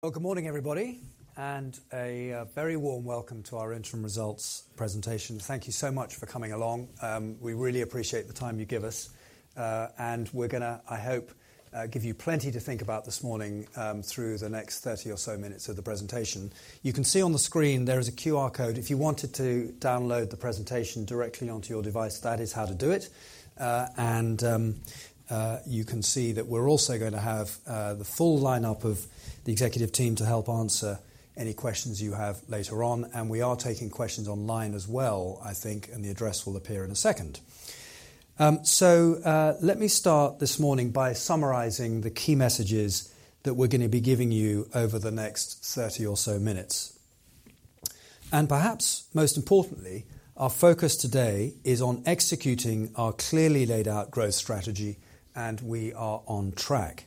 Good morning, everybody, and a very warm welcome to our interim results presentation. Thank you so much for coming along. We really appreciate the time you give us, and we're going to, I hope, give you plenty to think about this morning through the next 30 or so minutes of the presentation. You can see on the screen there is a QR code. If you wanted to download the presentation directly onto your device, that is how to do it, and you can see that we're also going to have the full lineup of the executive team to help answer any questions you have later on, and we are taking questions online as well, I think, and the address will appear in a second, so let me start this morning by summarizing the key messages that we're going to be giving you over the next 30 or so minutes. Perhaps most importantly, our focus today is on executing our clearly laid out growth strategy, and we are on track.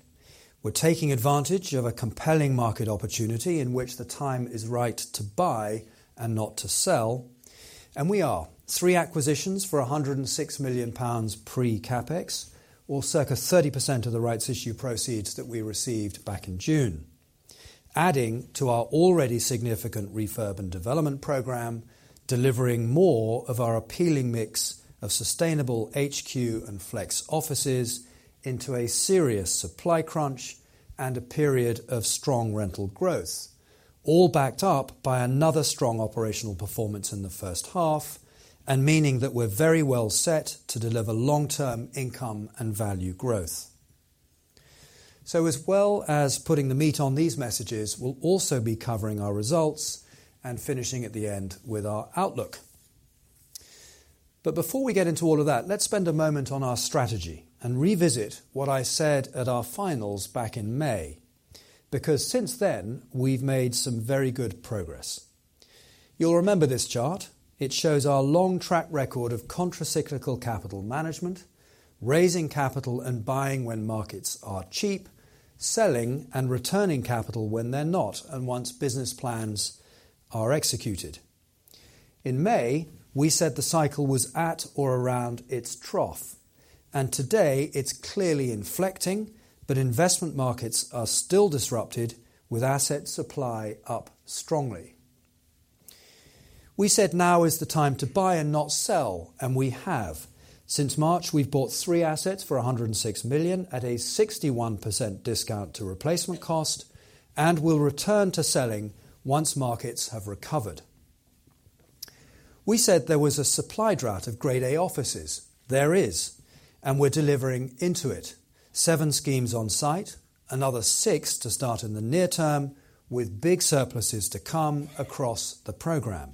We're taking advantage of a compelling market opportunity in which the time is right to buy and not to sell. We are three acquisitions for 106 million pounds pre-CapEx, or circa 30% of the rights issue proceeds that we received back in June, adding to our already significant refurb and development program, delivering more of our appealing mix of sustainable HQ and flex offices into a serious supply crunch and a period of strong rental growth, all backed up by another strong operational performance in the first half, and meaning that we're very well set to deliver long-term income and value growth. As well as putting the meat on these messages, we'll also be covering our results and finishing at the end with our outlook. But before we get into all of that, let's spend a moment on our strategy and revisit what I said at our finals back in May, because since then we've made some very good progress. You'll remember this chart. It shows our long track record of countercyclical capital management, raising capital and buying when markets are cheap, selling and returning capital when they're not, and once business plans are executed. In May, we said the cycle was at or around its trough, and today it's clearly inflecting, but investment markets are still disrupted with asset supply up strongly. We said now is the time to buy and not sell, and we have. Since March, we've bought three assets for 106 million at a 61% discount to replacement cost, and we'll return to selling once markets have recovered. We said there was a supply drought of Grade A offices. There is, and we're delivering into it. Seven schemes on site, another six to start in the near-term, with big surpluses to come across the program.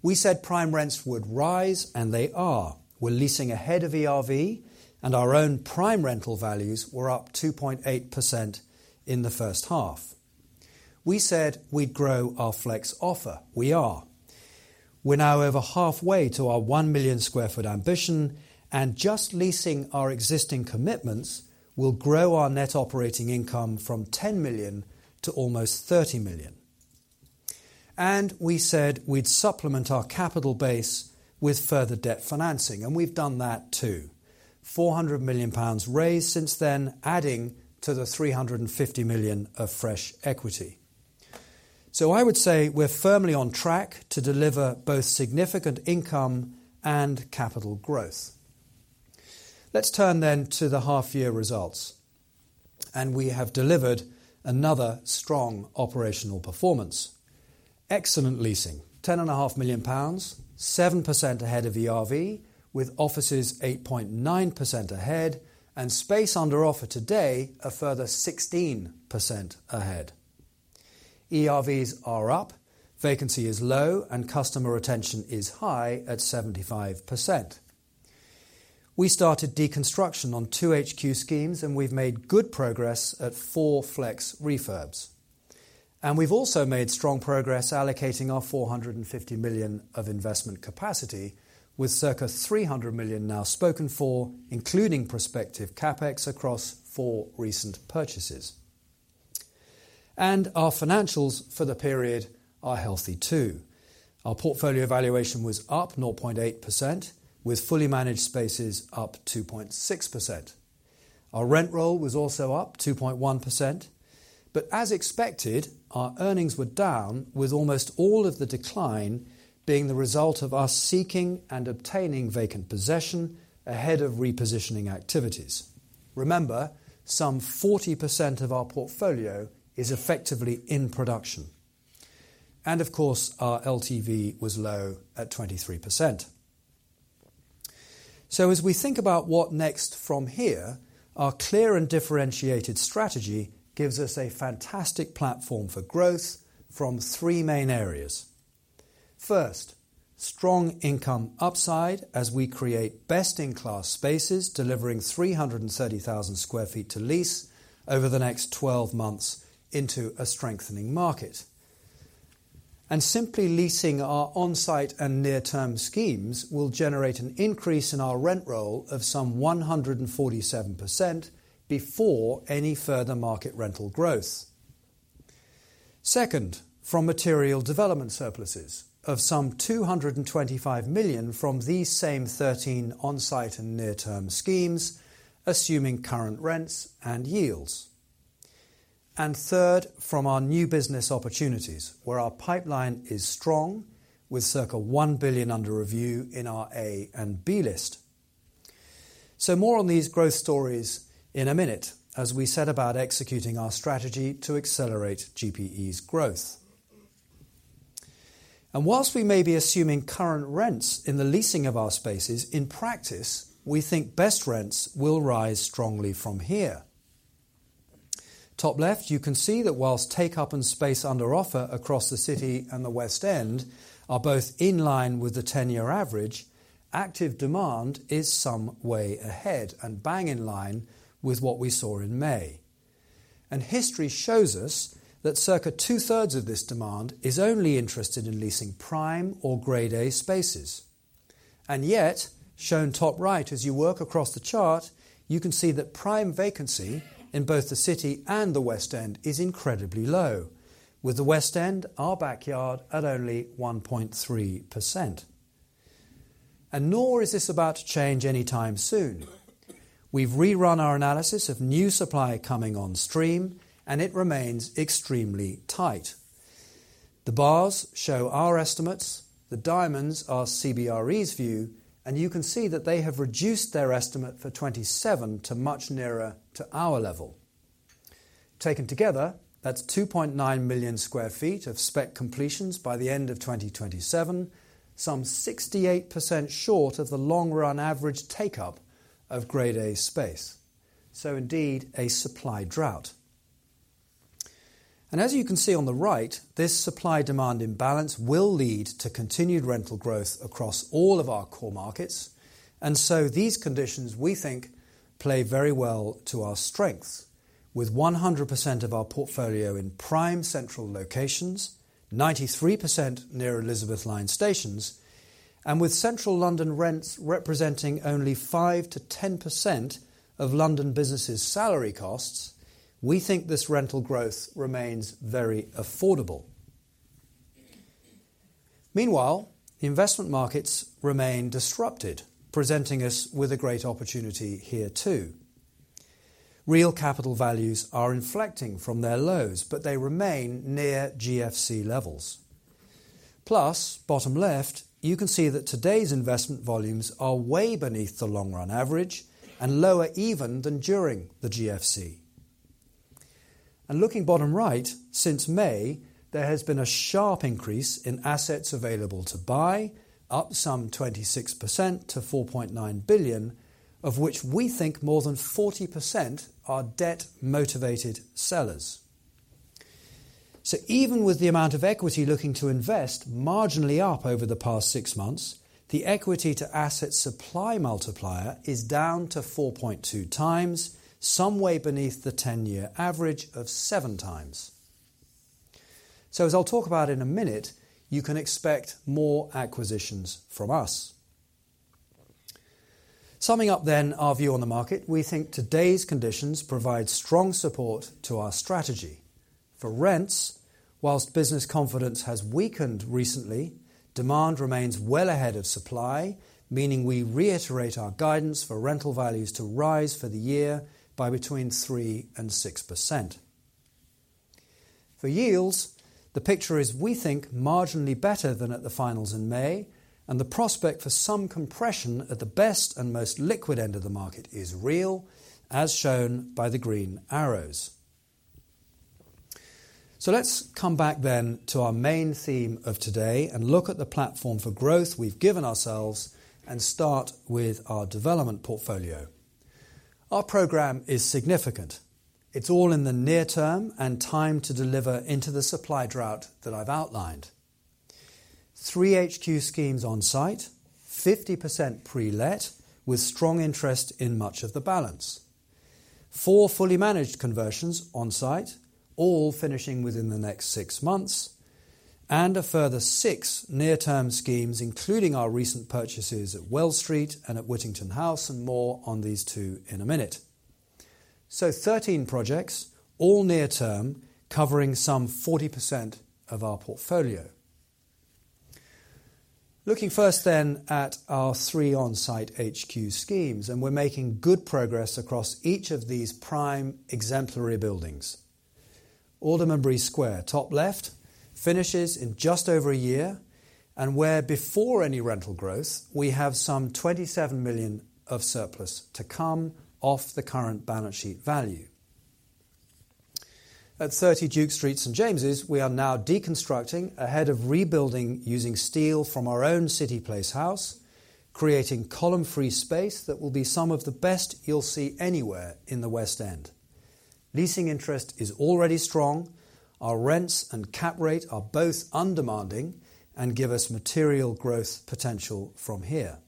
We said prime rents would rise, and they are. We're leasing ahead of ERV, and our own prime rental values were up 2.8% in the first half. We said we'd grow our flex offer. We are. We're now over halfway to our 1 million sq ft ambition, and just leasing our existing commitments will grow our net operating income from 10 million to almost 30 million. We said we'd supplement our capital base with further debt financing, and we've done that too. 400 million pounds raised since then, adding to the 350 million of fresh equity. I would say we're firmly on track to deliver both significant income and capital growth. Let's turn then to the half year results. And we have delivered another strong operational performance. Excellent leasing. 10.5 million pounds, 7% ahead of ERV, with offices 8.9% ahead and space under offer today a further 16% ahead. ERVs are up, vacancy is low, and customer retention is high at 75%. We started deconstruction on two HQ schemes, and we've made good progress at four flex refurbs. And we've also made strong progress allocating our 450 million of investment capacity, with circa 300 million now spoken for, including prospective CapEx across four recent purchases. And our financials for the period are healthy too. Our portfolio valuation was up 0.8%, with Fully Managed spaces up 2.6%. Our rent roll was also up 2.1%. But as expected, our earnings were down, with almost all of the decline being the result of us seeking and obtaining vacant possession ahead of repositioning activities. Remember, some 40% of our portfolio is effectively in production. Of course, our LTV was low at 23%. As we think about what next from here, our clear and differentiated strategy gives us a fantastic platform for growth from three main areas. First, strong income upside as we create best in class spaces, delivering 330,000 sq ft to lease over the next 12 months into a strengthening market. Simply leasing our onsite and near-term schemes will generate an increase in our rent roll of some 147% before any further market rental growth. Second, from material development surpluses of some 225 million from these same 13 onsite and near-term schemes, assuming current rents and yields. Third, from our new business opportunities, where our pipeline is strong, with circa 1 billion under review in our A and B list. So more on these growth stories in a minute, as we said about executing our strategy to accelerate GPE's growth. And whilst we may be assuming current rents in the leasing of our spaces, in practice, we think best rents will rise strongly from here. Top left, you can see that whilst take-up and space under offer across the City and the West End are both in line with the 10-year average, active demand is some way ahead and bang in line with what we saw in May. And history shows us that circa two-thirds of this demand is only interested in leasing prime or Grade A spaces. And yet, shown top right, as you work across the chart, you can see that prime vacancy in both the City and the West End is incredibly low, with the West End, our backyard, at only 1.3%. Nor is this about to change anytime soon. We've rerun our analysis of new supply coming on stream, and it remains extremely tight. The bars show our estimates, the diamonds are CBRE's view, and you can see that they have reduced their estimate for 2027 to much nearer to our level. Taken together, that's 2.9 million sq ft of spec completions by the end of 2027, some 68% short of the long-run average take-up of Grade A space. Indeed, a supply drought. As you can see on the right, this supply-demand imbalance will lead to continued rental growth across all of our core markets. And so these conditions, we think, play very well to our strengths, with 100% of our portfolio in prime central locations, 93% near Elizabeth Line stations, and with central London rents representing only 5%-10% of London businesses' salary costs, we think this rental growth remains very affordable. Meanwhile, investment markets remain disrupted, presenting us with a great opportunity here too. Real capital values are inflecting from their lows, but they remain near GFC levels. Plus, bottom left, you can see that today's investment volumes are way beneath the long-run average and lower even than during the GFC. And looking bottom right, since May, there has been a sharp increase in assets available to buy, up some 26% to 4.9 billion, of which we think more than 40% are debt-motivated sellers. So even with the amount of equity looking to invest marginally up over the past six months, the equity-to-asset supply multiplier is down to 4.2x, some way beneath the 10-year average of 7x. So as I'll talk about in a minute, you can expect more acquisitions from us. Summing up then our view on the market, we think today's conditions provide strong support to our strategy. For rents, whilst business confidence has weakened recently, demand remains well ahead of supply, meaning we reiterate our guidance for rental values to rise for the year by between 3% and 6%. For yields, the picture is, we think, marginally better than at the finals in May, and the prospect for some compression at the best and most liquid end of the market is real, as shown by the green arrows. So let's come back then to our main theme of today and look at the platform for growth we've given ourselves and start with our development portfolio. Our program is significant. It's all in the near-term and time to deliver into the supply drought that I've outlined. Three HQ schemes on site, 50% pre-let, with strong interest in much of the balance. Four Fully Managed conversions on site, all finishing within the next six months, and a further six near-term schemes, including our recent purchases at Wells Street and at Whittington House and more on these two in a minute. So 13 projects, all near-term, covering some 40% of our portfolio. Looking first then at our three onsite HQ schemes, and we're making good progress across each of these prime exemplary buildings. 2 Aldermanbury Square, top left, finishes in just over a year, and where before any rental growth, we have some 27 million of surplus to come off the current balance sheet value. At 30 Duke Street St James's, we are now deconstructing ahead of rebuilding using steel from our own City Place House, creating column-free space that will be some of the best you'll see anywhere in the West End. Leasing interest is already strong. Our rents and cap rate are both undemanding and give us material growth potential from here.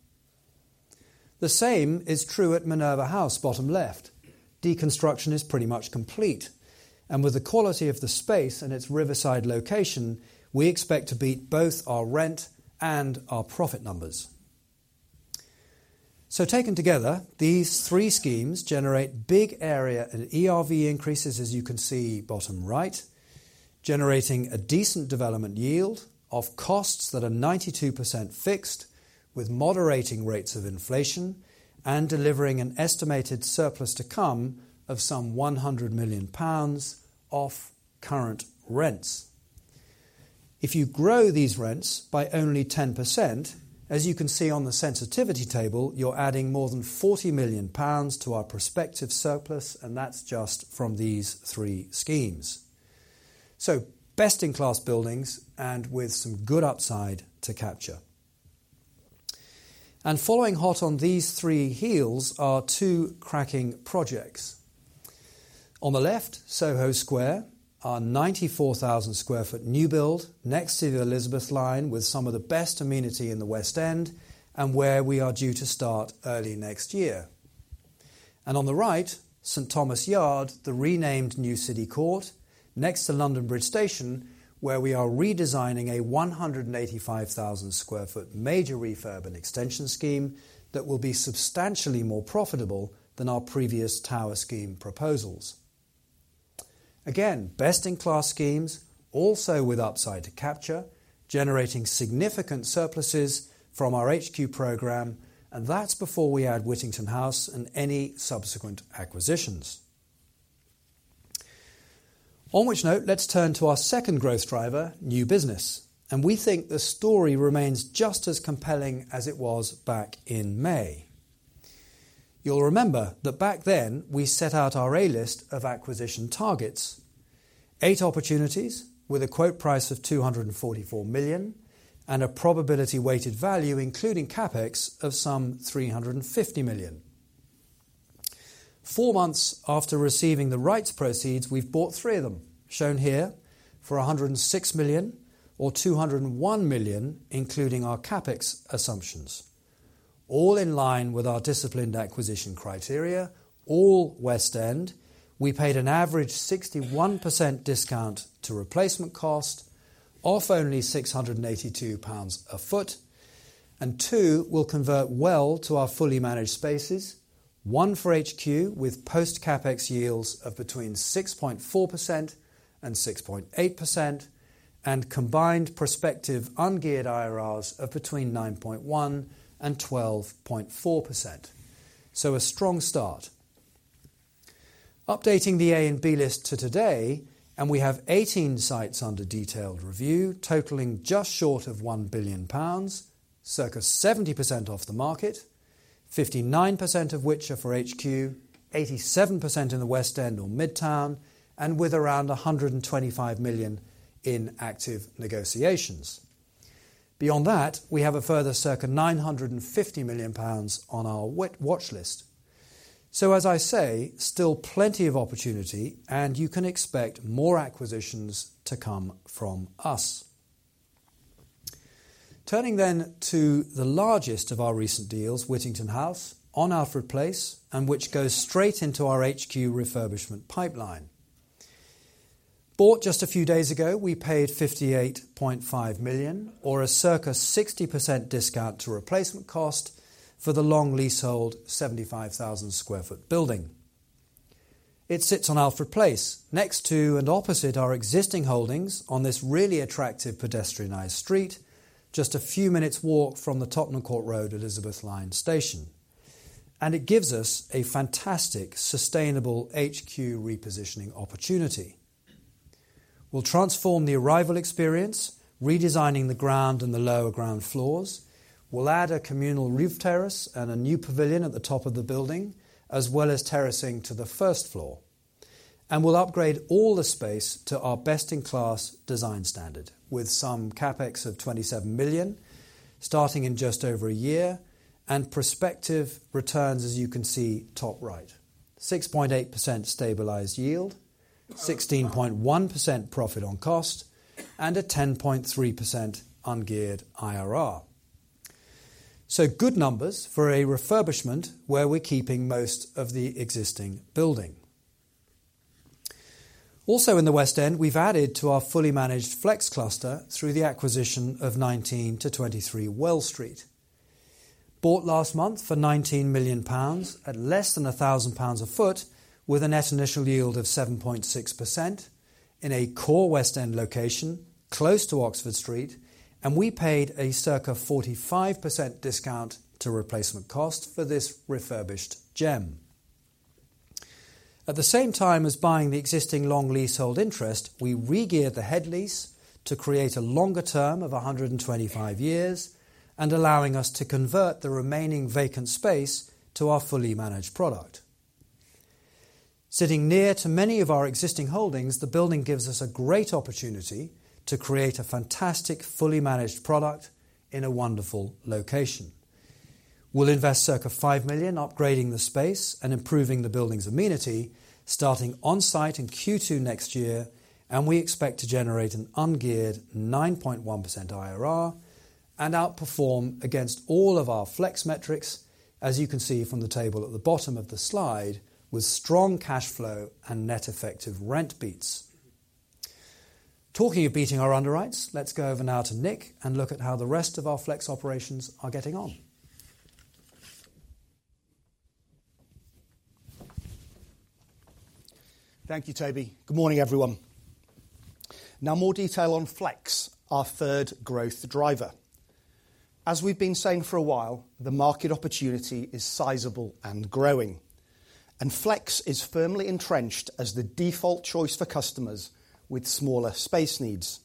The same is true at Minerva House, bottom left. Deconstruction is pretty much complete, and with the quality of the space and its riverside location, we expect to beat both our rent and our profit numbers. Taken together, these three schemes generate big area and ERV increases, as you can see bottom right, generating a decent development yield of costs that are 92% fixed with moderating rates of inflation and delivering an estimated surplus to come of some 100 million pounds off current rents. If you grow these rents by only 10%, as you can see on the sensitivity table, you're adding more than 40 million pounds to our prospective surplus, and that's just from these three schemes. So best in class buildings and with some good upside to capture. And following hot on these three heels are two cracking projects. On the left, Soho Square, our 94,000 sq ft new build next to the Elizabeth Line with some of the best amenity in the West End and where we are due to start early next year. On the right, St Thomas Yard, the renamed New City Court, next to London Bridge Station, where we are redesigning a 185,000 sq ft major refurb and extension scheme that will be substantially more profitable than our previous tower scheme proposals. Again, best in class schemes, also with upside to capture, generating significant surpluses from our HQ program, and that's before we add Whittington House and any subsequent acquisitions. On which note, let's turn to our second growth driver, new business, and we think the story remains just as compelling as it was back in May. You'll remember that back then we set out our A-list of acquisition targets, eight opportunities with a quote price of 244 million and a probability-weighted value, including CapEx, of some 350 million. Four months after receiving the rights proceeds, we've bought three of them, shown here, for 106 million or 201 million, including our CapEx assumptions. All in line with our disciplined acquisition criteria, all West End, we paid an average 61% discount to replacement cost, off only 682 pounds a foot. And two will convert well to our Fully Managed spaces, one for HQ with post-CapEx yields of between 6.4% and 6.8%, and combined prospective ungeared IRRs of between 9.1% and 12.4%. So a strong start. Updating the A and B list to today, and we have 18 sites under detailed review, totaling just short of 1 billion pounds, circa 70% off the market, 59% of which are for HQ, 87% in the West End or Midtown, and with around 125 million in active negotiations. Beyond that, we have a further circa 950 million pounds on our watch list. So as I say, still plenty of opportunity, and you can expect more acquisitions to come from us. Turning then to the largest of our recent deals, Whittington House, on Alfred Place, and which goes straight into our HQ refurbishment pipeline. Bought just a few days ago, we paid 58.5 million or a circa 60% discount to replacement cost for the long leasehold 75,000 sq ft building. It sits on Alfred Place, next to and opposite our existing holdings on this really attractive pedestrianized street, just a few minutes' walk from the Tottenham Court Road, Elizabeth Line station. And it gives us a fantastic sustainable HQ repositioning opportunity. We'll transform the arrival experience, redesigning the ground and the lower ground floors. We'll add a communal roof terrace and a new pavilion at the top of the building, as well as terracing to the first floor. And we'll upgrade all the space to our best in class design standard with some CapEx of 27 million, starting in just over a year, and prospective returns, as you can see top right, 6.8% stabilized yield, 16.1% profit on cost, and a 10.3% ungeared IRR. So good numbers for a refurbishment where we're keeping most of the existing building. Also in the West End, we've added to our Fully Managed flex cluster through the acquisition of 19-23 Wells Street. Bought last month for 19 million pounds at less than 1,000 pounds a foot with a net initial yield of 7.6% in a core West End location close to Oxford Street, and we paid a circa 45% discount to replacement cost for this refurbished gem. At the same time as buying the existing long leasehold interest, we re-geared the head lease to create a longer-term of 125 years and allowing us to convert the remaining vacant space to our Fully Managed product. Sitting near to many of our existing holdings, the building gives us a great opportunity to create a fantastic Fully Managed product in a wonderful location. We'll invest circa 5 million upgrading the space and improving the building's amenity, starting on site in Q2 next year, and we expect to generate an ungeared 9.1% IRR and outperform against all of our flex metrics, as you can see from the table at the bottom of the slide, with strong cash flow and net effective rent beats. Talking of beating our underwrites, let's go over now to Nick and look at how the rest of our flex operations are getting on. Thank you, Toby. Good morning, everyone. Now more detail on flex, our third growth driver. As we've been saying for a while, the market opportunity is sizable and growing, and flex is firmly entrenched as the default choice for customers with smaller space needs.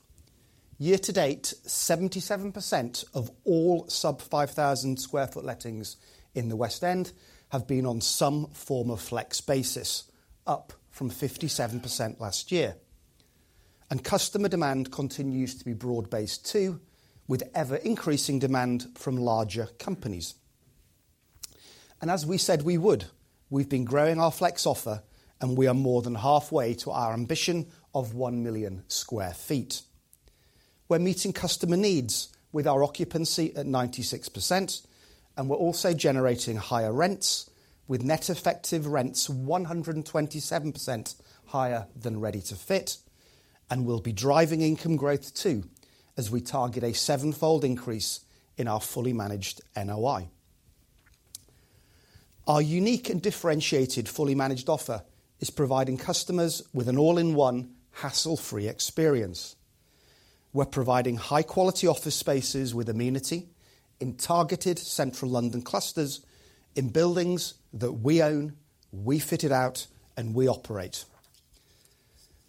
Year to date, 77% of all sub-5,000 sq ft lettings in the West End have been on some form of flex basis, up from 57% last year. And customer demand continues to be broad-based too, with ever-increasing demand from larger companies. And as we said we would, we've been growing our flex offer, and we are more than halfway to our ambition of 1 million sq ft. We're meeting customer needs with our occupancy at 96%, and we're also generating higher rents with net effective rents 127% higher than Ready to Fit, and we'll be driving income growth too as we target a seven-fold increase in our Fully Managed NOI. Our unique and differentiated Fully Managed offer is providing customers with an all-in-one hassle-free experience. We're providing high-quality office spaces with amenity in targeted central London clusters in buildings that we own, we fit it out, and we operate.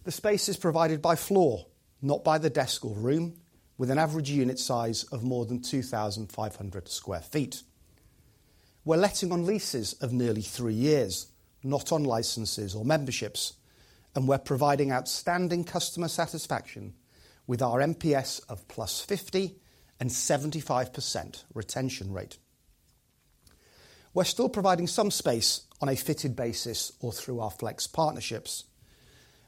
The space is provided by floor, not by the desk or room, with an average unit size of more than 2,500 sq ft. We're letting on leases of nearly three years, not on licenses or memberships, and we're providing outstanding customer satisfaction with our NPS of +50 and 75% retention rate. We're still providing some space on a fitted basis or through our flex partnerships,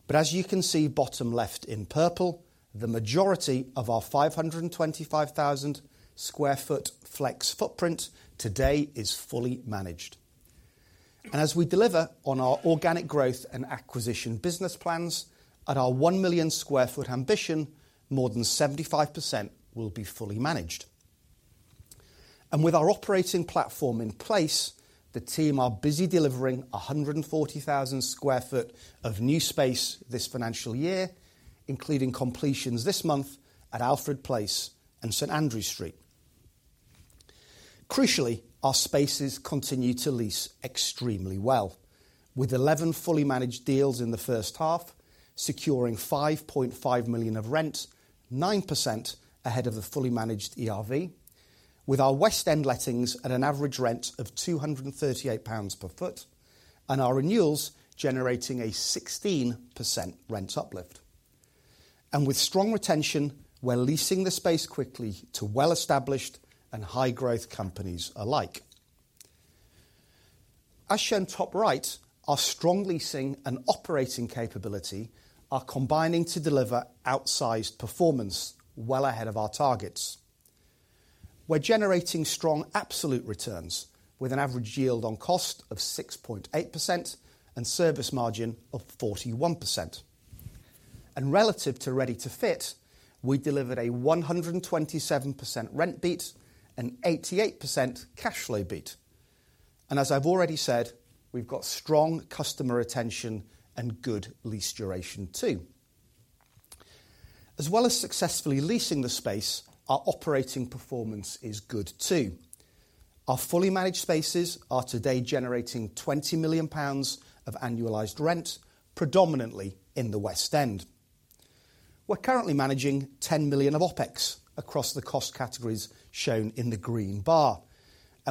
but as you can see bottom left in purple, the majority of our 525,000 sq ft flex footprint today is Fully Managed. And as we deliver on our organic growth and acquisition business plans, at our 1 million sq ft ambition, more than 75% will be Fully Managed. And with our operating platform in place, the team are busy delivering 140,000 sq ft of new space this financial year, including completions this month at Alfred Place and St Andrew Street. Crucially, our spaces continue to lease extremely well, with 11 Fully Managed deals in the first half, securing 5.5 million of rent, 9% ahead of the Fully Managed ERV, with our West End lettings at an average rent of 238 pounds per foot, and our renewals generating a 16% rent uplift. With strong retention, we're leasing the space quickly to well-established and high-growth companies alike. As shown top right, our strong leasing and operating capability are combining to deliver outsized performance well ahead of our targets. We're generating strong absolute returns with an average yield on cost of 6.8% and service margin of 41%. Relative to Ready to Fit, we delivered a 127% rent beat and 88% cash flow beat. As I've already said, we've got strong customer retention and good lease duration too. As well as successfully leasing the space, our operating performance is good too. Our Fully Managed spaces are today generating 20 million pounds of annualized rent, predominantly in the West End. We're currently managing 10 million of OpEx across the cost categories shown in the green bar.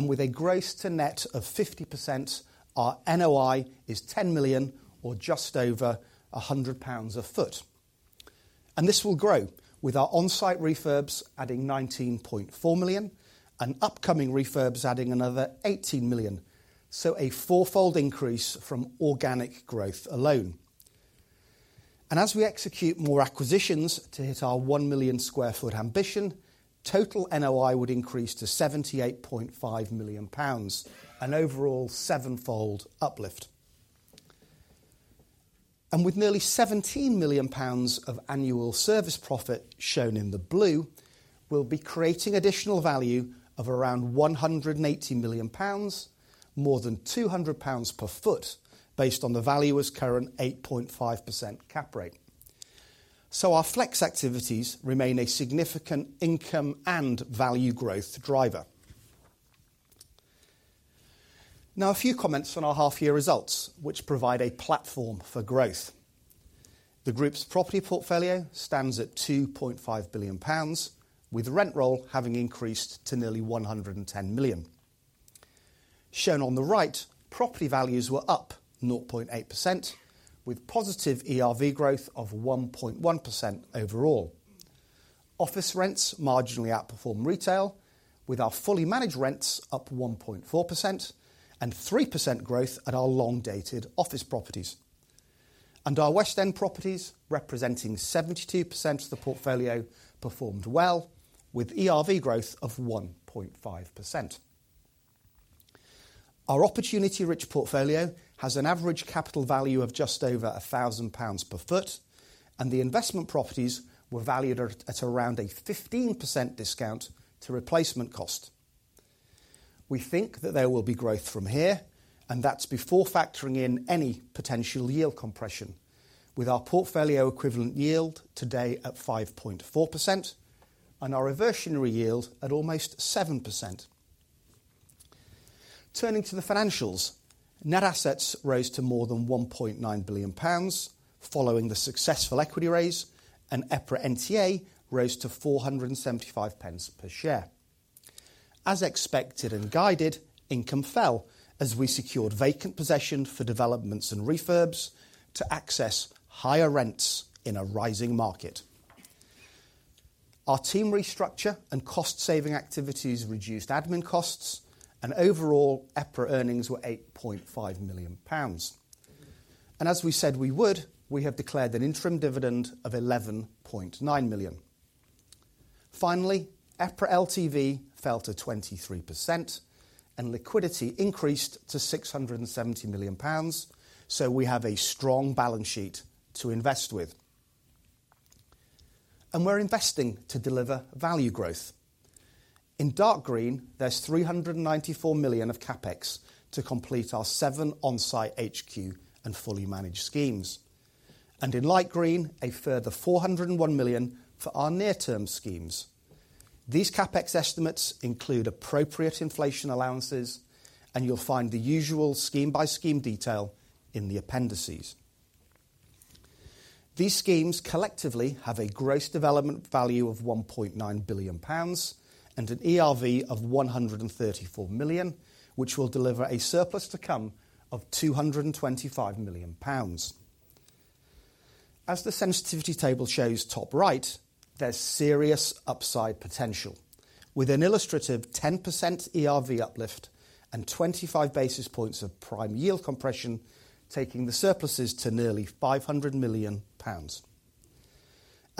With a gross to net of 50%, our NOI is 10 million or just over 100 pounds a foot. This will grow with our on-site refurbs adding 19.4 million and upcoming refurbs adding another 18 million. A four-fold increase from organic growth alone. As we execute more acquisitions to hit our 1 million sq ft ambition, total NOI would increase to GBP 78.5 million and overall seven-fold uplift. With nearly 17 million pounds of annual service profit shown in the blue, we'll be creating additional value of around 180 million pounds, more than 200 pounds per sq ft based on the valuer's current 8.5% cap rate. Our flex activities remain a significant income and value growth driver. Now a few comments on our half-year results, which provide a platform for growth. The group's property portfolio stands at 2.5 billion pounds, with rent roll having increased to nearly 110 million. Shown on the right, property values were up 0.8%, with positive ERV growth of 1.1% overall. Office rents marginally outperform retail, with our Fully Managed rents up 1.4% and 3% growth at our long-dated office properties, and our West End properties, representing 72% of the portfolio, performed well with ERV growth of 1.5%. Our opportunity-rich portfolio has an average capital value of just over 1,000 pounds per foot, and the investment properties were valued at around a 15% discount to replacement cost. We think that there will be growth from here, and that's before factoring in any potential yield compression, with our portfolio equivalent yield today at 5.4% and our reversionary yield at almost 7%. Turning to the financials, net assets rose to more than 1.9 billion pounds following the successful equity raise, and EPRA NTA rose to 475 per share. As expected and guided, income fell as we secured vacant possession for developments and refurbs to access higher rents in a rising market. Our team restructure and cost-saving activities reduced admin costs, and overall EPRA earnings were 8.5 million pounds, and as we said we would, we have declared an interim dividend of 11.9 million. Finally, EPRA LTV fell to 23%, and liquidity increased to 670 million pounds, so we have a strong balance sheet to invest with, and we're investing to deliver value growth. In dark green, there's 394 million of CapEx to complete our seven on-site HQ and Fully Managed schemes, and in light green, a further 401 million for our near-term schemes. These CapEx estimates include appropriate inflation allowances, and you'll find the usual scheme-by-scheme detail in the appendices. These schemes collectively have a gross development value of 1.9 billion pounds and an ERV of 134 million, which will deliver a surplus to come of 225 million pounds. As the sensitivity table shows top right, there's serious upside potential, with an illustrative 10% ERV uplift and 25 basis points of prime yield compression taking the surpluses to nearly 500 million pounds.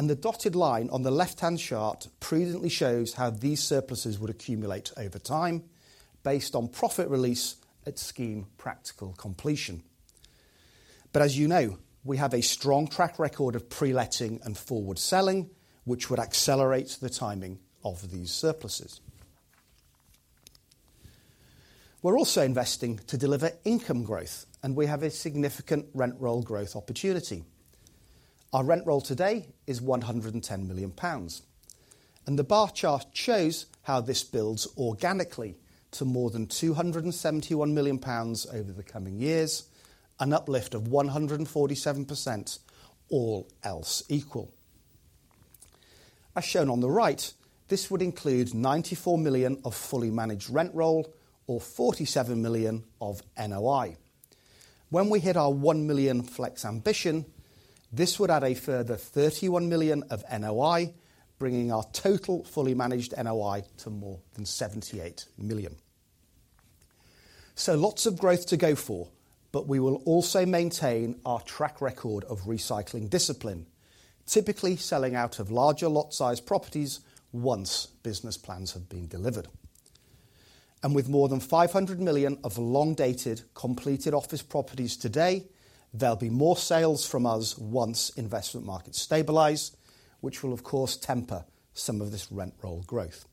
The dotted line on the left-hand chart prudently shows how these surpluses would accumulate over time based on profit release at scheme practical completion. As you know, we have a strong track record of pre-letting and forward selling, which would accelerate the timing of these surpluses. We're also investing to deliver income growth, and we have a significant rent roll growth opportunity. Our rent roll today is 110 million pounds, and the bar chart shows how this builds organically to more than 271 million pounds over the coming years, an uplift of 147%, all else equal. As shown on the right, this would include 94 million of Fully Managed rent roll or 47 million of NOI. When we hit our one million flex ambition, this would add a further 31 million of NOI, bringing our total Fully Managed NOI to more than 78 million, so lots of growth to go for, but we will also maintain our track record of recycling discipline, typically selling out of larger lot-sized properties once business plans have been delivered, and with more than 500 million of long-dated completed office properties today, there'll be more sales from us once investment markets stabilize, which will, of course, temper some of this rent roll growth.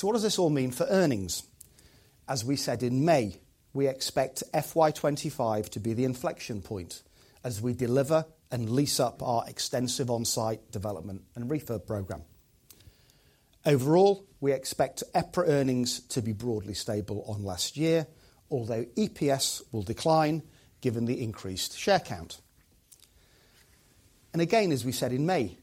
What does this all mean for earnings? As we said in May, we expect FY 2025 to be the inflection point as we deliver and lease up our extensive on-site development and refurb program. Overall, we expect EPRA earnings to be broadly stable on last year, although EPS will decline given the increased share count. Again, as we said in May,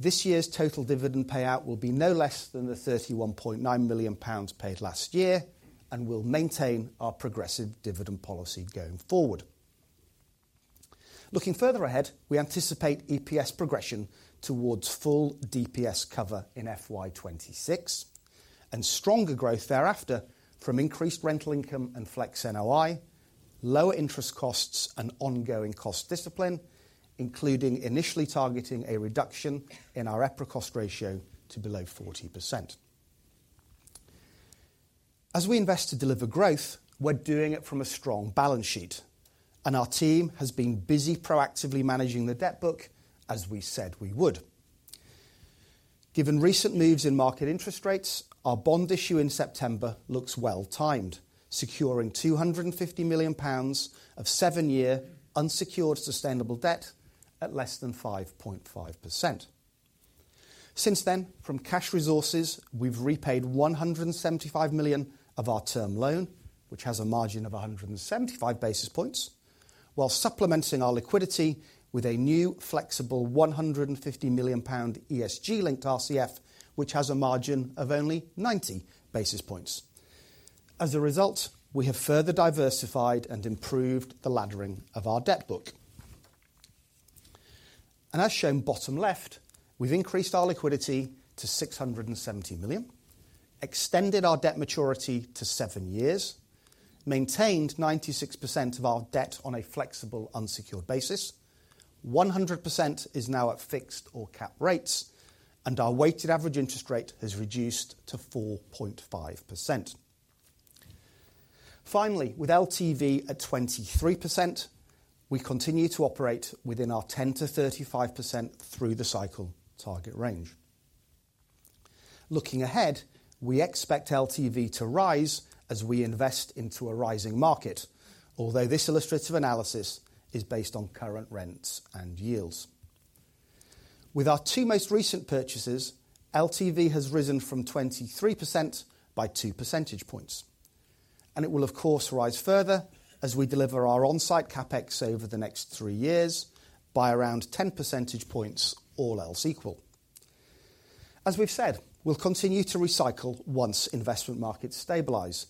this year's total dividend payout will be no less than the 31.9 million pounds paid last year and will maintain our progressive dividend policy going forward. Looking further ahead, we anticipate EPS progression towards full DPS cover in FY 2026 and stronger growth thereafter from increased rental income and flex NOI, lower interest costs, and ongoing cost discipline, including initially targeting a reduction in our EPRA cost ratio to below 40%. As we invest to deliver growth, we're doing it from a strong balance sheet, and our team has been busy proactively managing the debt book as we said we would. Given recent moves in market interest rates, our bond issue in September looks well timed, securing 250 million pounds of seven-year unsecured sustainable debt at less than 5.5%. Since then, from cash resources, we've repaid 175 million of our term loan, which has a margin of 175 basis points, while supplementing our liquidity with a new flexible 150 million pound ESG-linked RCF, which has a margin of only 90 basis points. As a result, we have further diversified and improved the laddering of our debt book. As shown bottom left, we've increased our liquidity to 670 million, extended our debt maturity to seven years, maintained 96% of our debt on a flexible unsecured basis, 100% is now at fixed or cap rates, and our weighted average interest rate has reduced to 4.5%. Finally, with LTV at 23%, we continue to operate within our 10%-35% through the cycle target range. Looking ahead, we expect LTV to rise as we invest into a rising market, although this illustrative analysis is based on current rents and yields. With our two most recent purchases, LTV has risen from 23% by two percentage points, and it will, of course, rise further as we deliver our on-site CapEx over the next three years by around 10 percentage points, all else equal. As we've said, we'll continue to recycle once investment markets stabilize,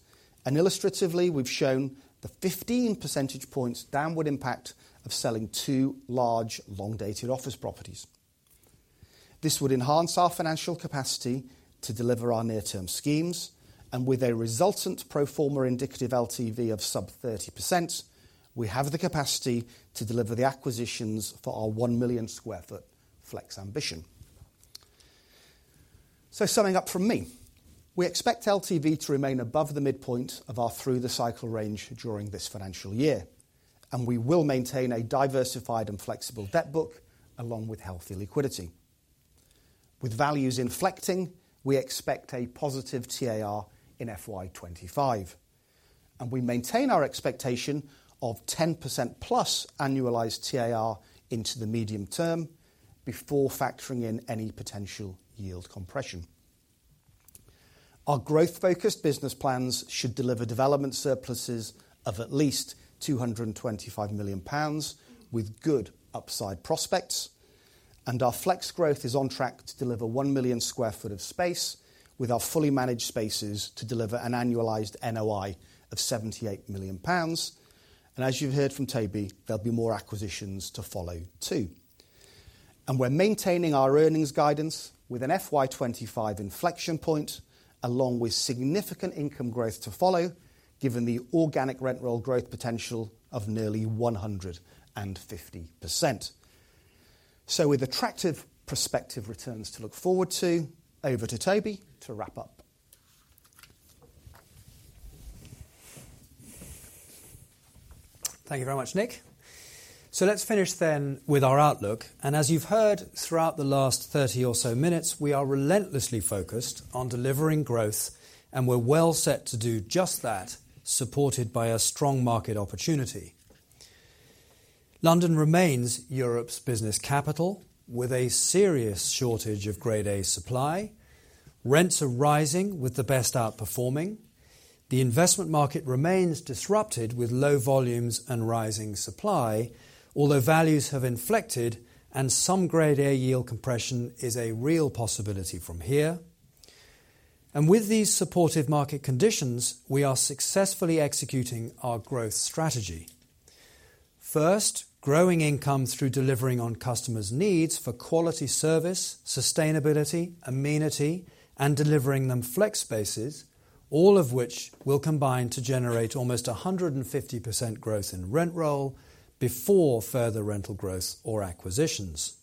and illustratively, we've shown the 15 percentage points downward impact of selling two large long-dated office properties. This would enhance our financial capacity to deliver our near-term schemes, and with a resultant pro forma indicative LTV of sub 30%, we have the capacity to deliver the acquisitions for our 1 million sq ft flex ambition. So summing up from me, we expect LTV to remain above the midpoint of our through-the-cycle range during this financial year, and we will maintain a diversified and flexible debt book along with healthy liquidity. With values inflecting, we expect a positive TAR in FY 2025, and we maintain our expectation of 10%+ annualized TAR into the medium term before factoring in any potential yield compression. Our growth-focused business plans should deliver development surpluses of at least 225 million pounds with good upside prospects, and our flex growth is on track to deliver one million sq ft of space with our Fully Managed spaces to deliver an annualized NOI of 78 million pounds. As you've heard from Toby, there'll be more acquisitions to follow too. We're maintaining our earnings guidance with an FY25 inflection point along with significant income growth to follow, given the organic rent roll growth potential of nearly 150%. With attractive prospective returns to look forward to, over to Toby to wrap up. Thank you very much, Nick. Let's finish then with our outlook. As you've heard throughout the last 30 or so minutes, we are relentlessly focused on delivering growth, and we're well set to do just that, supported by a strong market opportunity. London remains Europe's business capital with a serious shortage of Grade A supply. Rents are rising with the best outperforming. The investment market remains disrupted with low volumes and rising supply, although values have inflected and some Grade A yield compression is a real possibility from here. And with these supportive market conditions, we are successfully executing our growth strategy. First, growing income through delivering on customers' needs for quality service, sustainability, amenity, and delivering them flex spaces, all of which will combine to generate almost 150% growth in rent roll before further rental growth or acquisitions.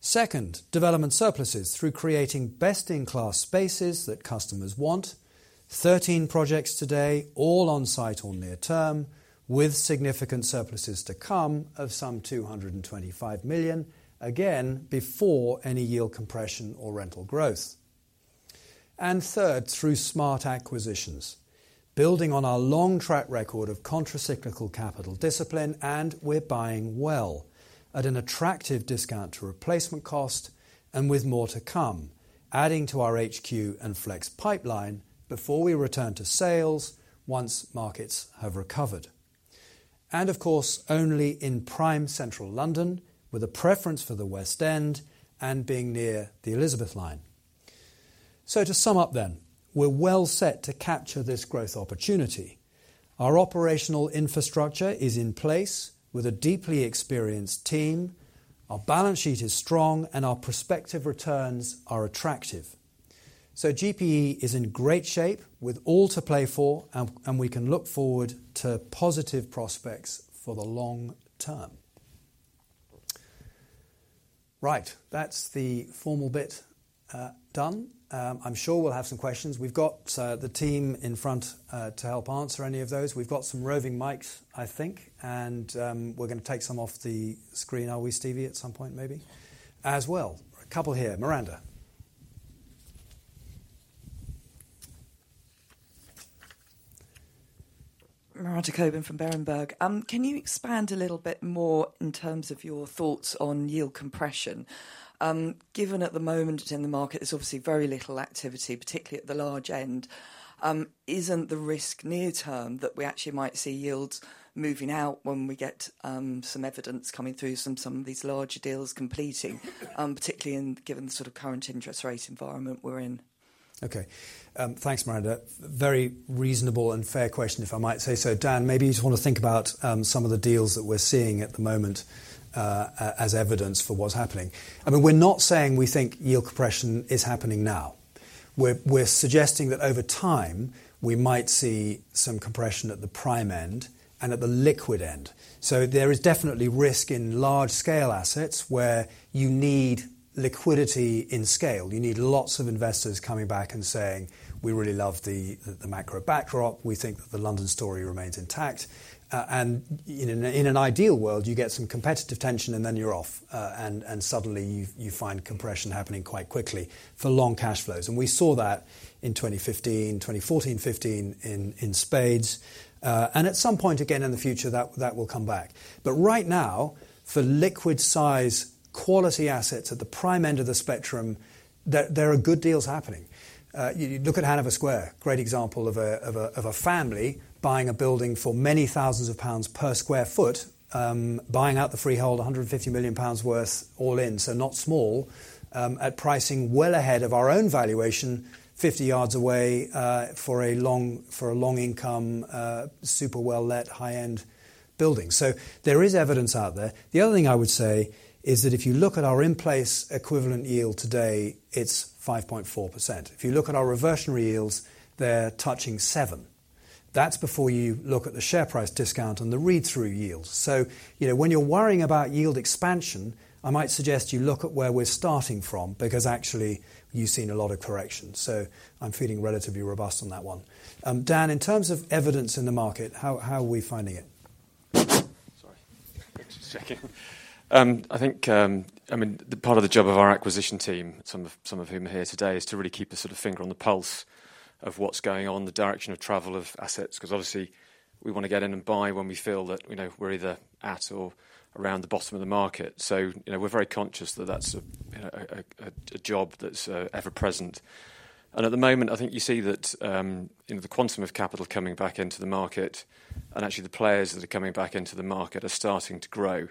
Second, development surpluses through creating best-in-class spaces that customers want. 13 projects today, all on-site or near-term, with significant surpluses to come of some 225 million, again, before any yield compression or rental growth. And third, through smart acquisitions, building on our long track record of contracyclical capital discipline, and we're buying well at an attractive discount to replacement cost and with more to come, adding to our HQ and flex pipeline before we return to sales once markets have recovered. And of course, only in prime central London, with a preference for the West End and being near the Elizabeth Line. So to sum up then, we're well set to capture this growth opportunity. Our operational infrastructure is in place with a deeply experienced team. Our balance sheet is strong, and our prospective returns are attractive. So GPE is in great shape with all to play for, and we can look forward to positive prospects for the long-term. Right, that's the formal bit done. I'm sure we'll have some questions. We've got the team in front to help answer any of those. We've got some roving mics, I think, and we're going to take some off the screen, are we, Stevie, at some point maybe? As well. A couple here. Miranda. Miranda Cockburn from Berenberg. Can you expand a little bit more in terms of your thoughts on yield compression? Given at the moment in the market, there's obviously very little activity, particularly at the large end. Isn't the risk near-term that we actually might see yields moving out when we get some evidence coming through from some of these larger deals completing, particularly given the sort of current interest rate environment we're in? Okay. Thanks, Miranda. Very reasonable and fair question, if I might say so. Dan, maybe you just want to think about some of the deals that we're seeing at the moment as evidence for what's happening. I mean, we're not saying we think yield compression is happening now. We're suggesting that over time, we might see some compression at the prime end and at the liquid end. So there is definitely risk in large-scale assets where you need liquidity in scale. You need lots of investors coming back and saying, "We really love the macro backdrop. We think that the London story remains intact." And in an ideal world, you get some competitive tension and then you're off, and suddenly you find compression happening quite quickly for long cash flows. And we saw that in 2014-15 in spades. And at some point again in the future, that will come back. But right now, for liquid-size quality assets at the prime end of the spectrum, there are good deals happening. You look at Hanover Square, great example of a family buying a building for many thousands of pounds per sq ft, buying out the freehold, 150 million pounds worth all in, so not small, at pricing well ahead of our own valuation, 50 yards away for a long-income, super well-lit, high-end building. So there is evidence out there. The other thing I would say is that if you look at our in-place equivalent yield today, it's 5.4%. If you look at our reversionary yields, they're touching 7%. That's before you look at the share price discount and the read-through yield. So when you're worrying about yield expansion, I might suggest you look at where we're starting from because actually you've seen a lot of corrections. So I'm feeling relatively robust on that one. Dan, in terms of evidence in the market, how are we finding it? Sorry. Thanks for checking. I think, I mean, part of the job of our acquisition team, some of whom are here today, is to really keep a sort of finger on the pulse of what's going on, the direction of travel of assets, because obviously we want to get in and buy when we feel that we're either at or around the bottom of the market. So we're very conscious that that's a job that's ever-present. And at the moment, I think you see that the quantum of capital coming back into the market and actually the players that are coming back into the market are starting to grow,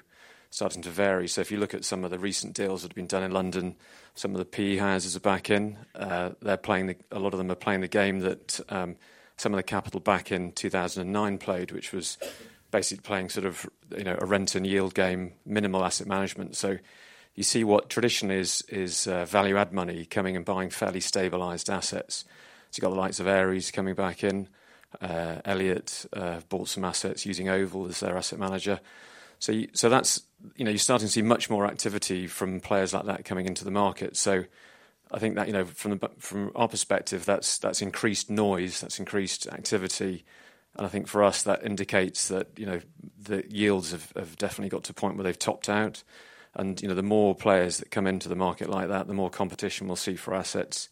starting to vary. So if you look at some of the recent deals that have been done in London, some of the PE houses are back in. A lot of them are playing the game that some of the capital back in 2009 played, which was basically playing sort of a rent-and-yield game, minimal asset management, so you see what tradition is, is value-add money coming and buying fairly stabilized assets, so you've got the likes of Ares coming back in. Elliott bought some assets using Oval as their asset manager, so you're starting to see much more activity from players like that coming into the market, so I think that from our perspective, that's increased noise, that's increased activity, and I think for us, that indicates that the yields have definitely got to a point where they've topped out, and the more players that come into the market like that, the more competition we'll see for assets,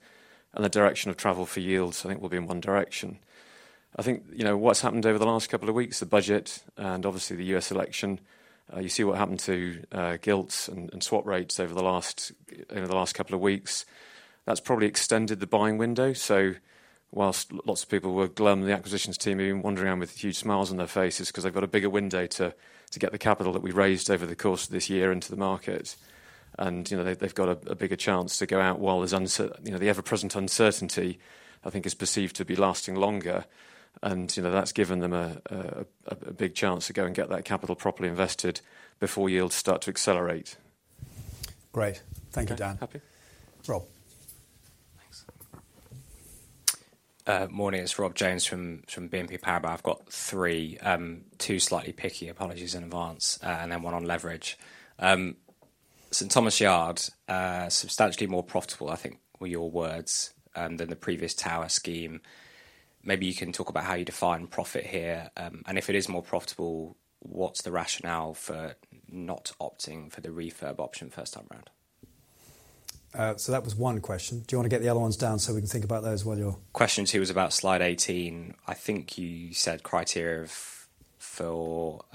and the direction of travel for yields, I think, will be in one direction. I think what's happened over the last couple of weeks, the budget and obviously the US election, you see what happened to gilts and swap rates over the last couple of weeks. That's probably extended the buying window. So while lots of people were gloomy, the acquisitions team even wandering around with huge smiles on their faces because they've got a bigger window to get the capital that we raised over the course of this year into the market. And they've got a bigger chance to go out while the ever-present uncertainty, I think, is perceived to be lasting longer. And that's given them a big chance to go and get that capital properly invested before yields start to accelerate. Great. Thank you, Dan. Happy. Rob. Thanks. Morning. It's Rob Jones from BNP Paribas. I've got three, two slightly picky apologies in advance, and then one on leverage. Thomas Yard, substantially more profitable, I think were your words than the previous Tower scheme. Maybe you can talk about how you define profit here. And if it is more profitable, what's the rationale for not opting for the refurb option first time around? So that was one question. Do you want to get the other ones down so we can think about those while you're... Question two was about slide 18. I think you said criteria for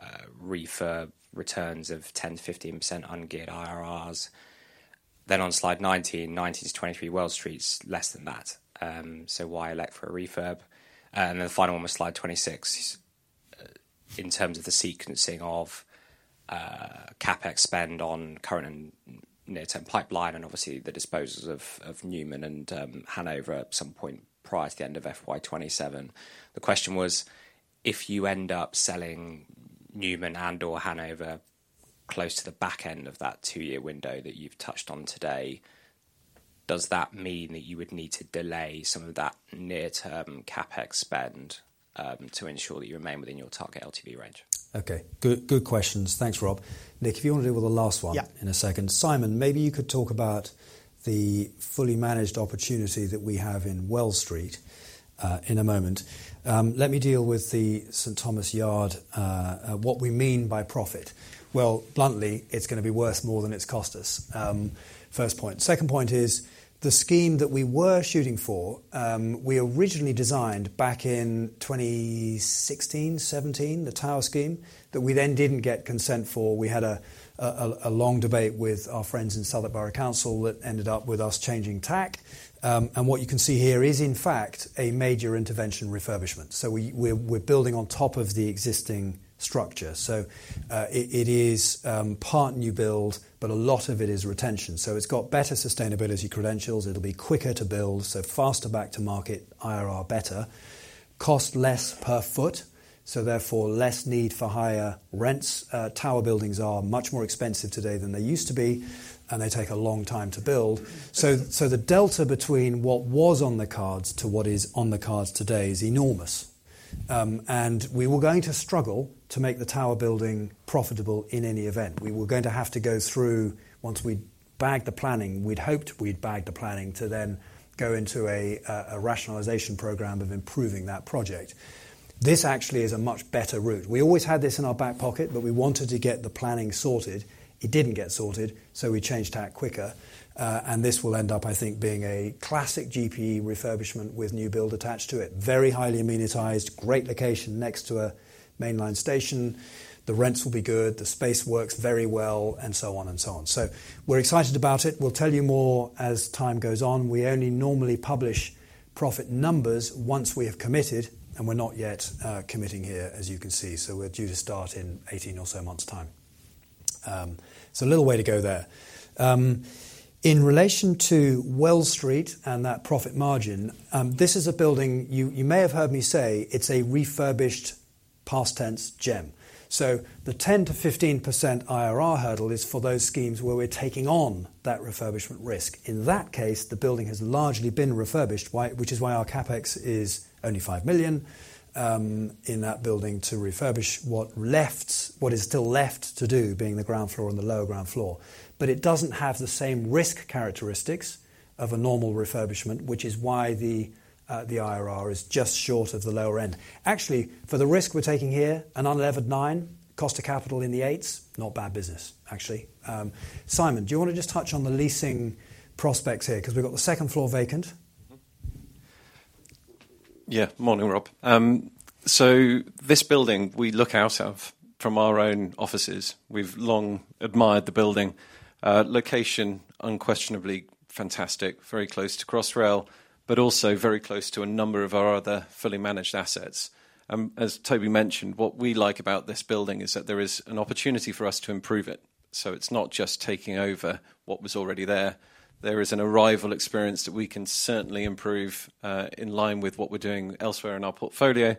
refurb returns of 10%-15% ungeared IRRs. Then on slide 19, 19-23 Wells Street's less than that. So why elect for a refurb? And then the final one was Slide 26 in terms of the sequencing of CapEx spend on current and near-term pipeline and obviously the disposals of Newman Street and Hanover Square at some point prior to the end of FY27. The question was, if you end up selling Newman and/or Hanover close to the back end of that two-year window that you've touched on today, does that mean that you would need to delay some of that near-term CapEx spend to ensure that you remain within your target LTV range? Okay. Good questions. Thanks, Rob. Nick, if you want to deal with the last one in a second. Simon, maybe you could talk about the Fully Managed opportunity that we have in Wells Street in a moment. Let me deal with the St Thomas Yard, what we mean by profit. Well, bluntly, it's going to be worth more than it's cost us. First point. Second point is the scheme that we were shooting for, we originally designed back in 2016, 2017, the Tower scheme that we then didn't get consent for. We had a long debate with our friends in Southwark Borough Council that ended up with us changing tack. And what you can see here is, in fact, a major intervention refurbishment. So we're building on top of the existing structure. So it is part new build, but a lot of it is retention. So it's got better sustainability credentials. It'll be quicker to build, so faster back to market IRR, better. Cost less per foot, so therefore less need for higher rents. Tower buildings are much more expensive today than they used to be, and they take a long time to build. So the delta between what was on the cards to what is on the cards today is enormous. And we were going to struggle to make the Tower building profitable in any event. We were going to have to go through, once we'd bagged the planning, we'd hoped we'd bagged the planning to then go into a rationalization program of improving that project. This actually is a much better route. We always had this in our back pocket, but we wanted to get the planning sorted. It didn't get sorted, so we changed tack quicker. And this will end up, I think, being a classic GPE refurbishment with new build attached to it. Very highly amenitized, great location next to a mainline station. The rents will be good, the space works very well, and so on and so on. So we're excited about it. We'll tell you more as time goes on. We only normally publish profit numbers once we have committed, and we're not yet committing here, as you can see. So we're due to start in 18 or so months' time. So a little way to go there. In relation to Wells Street and that profit margin, this is a building you may have heard me say it's a refurbished past tense gem. So the 10%-15% IRR hurdle is for those schemes where we're taking on that refurbishment risk. In that case, the building has largely been refurbished, which is why our CapEx is only 5 million in that building to refurbish what is still left to do, being the ground floor and the lower ground floor. But it doesn't have the same risk characteristics of a normal refurbishment, which is why the IRR is just short of the lower end. Actually, for the risk we're taking here, an unlevered nine, cost of capital in the eights, not bad business, actually. Simon, do you want to just touch on the leasing prospects here? Because we've got the second floor vacant. Yeah. Morning, Rob, so this building we look out of from our own offices. We've long admired the building. Location, unquestionably fantastic, very close to Crossrail, but also very close to a number of our other Fully Managed assets. As Toby mentioned, what we like about this building is that there is an opportunity for us to improve it, so it's not just taking over what was already there. There is an arrival experience that we can certainly improve in line with what we're doing elsewhere in our portfolio,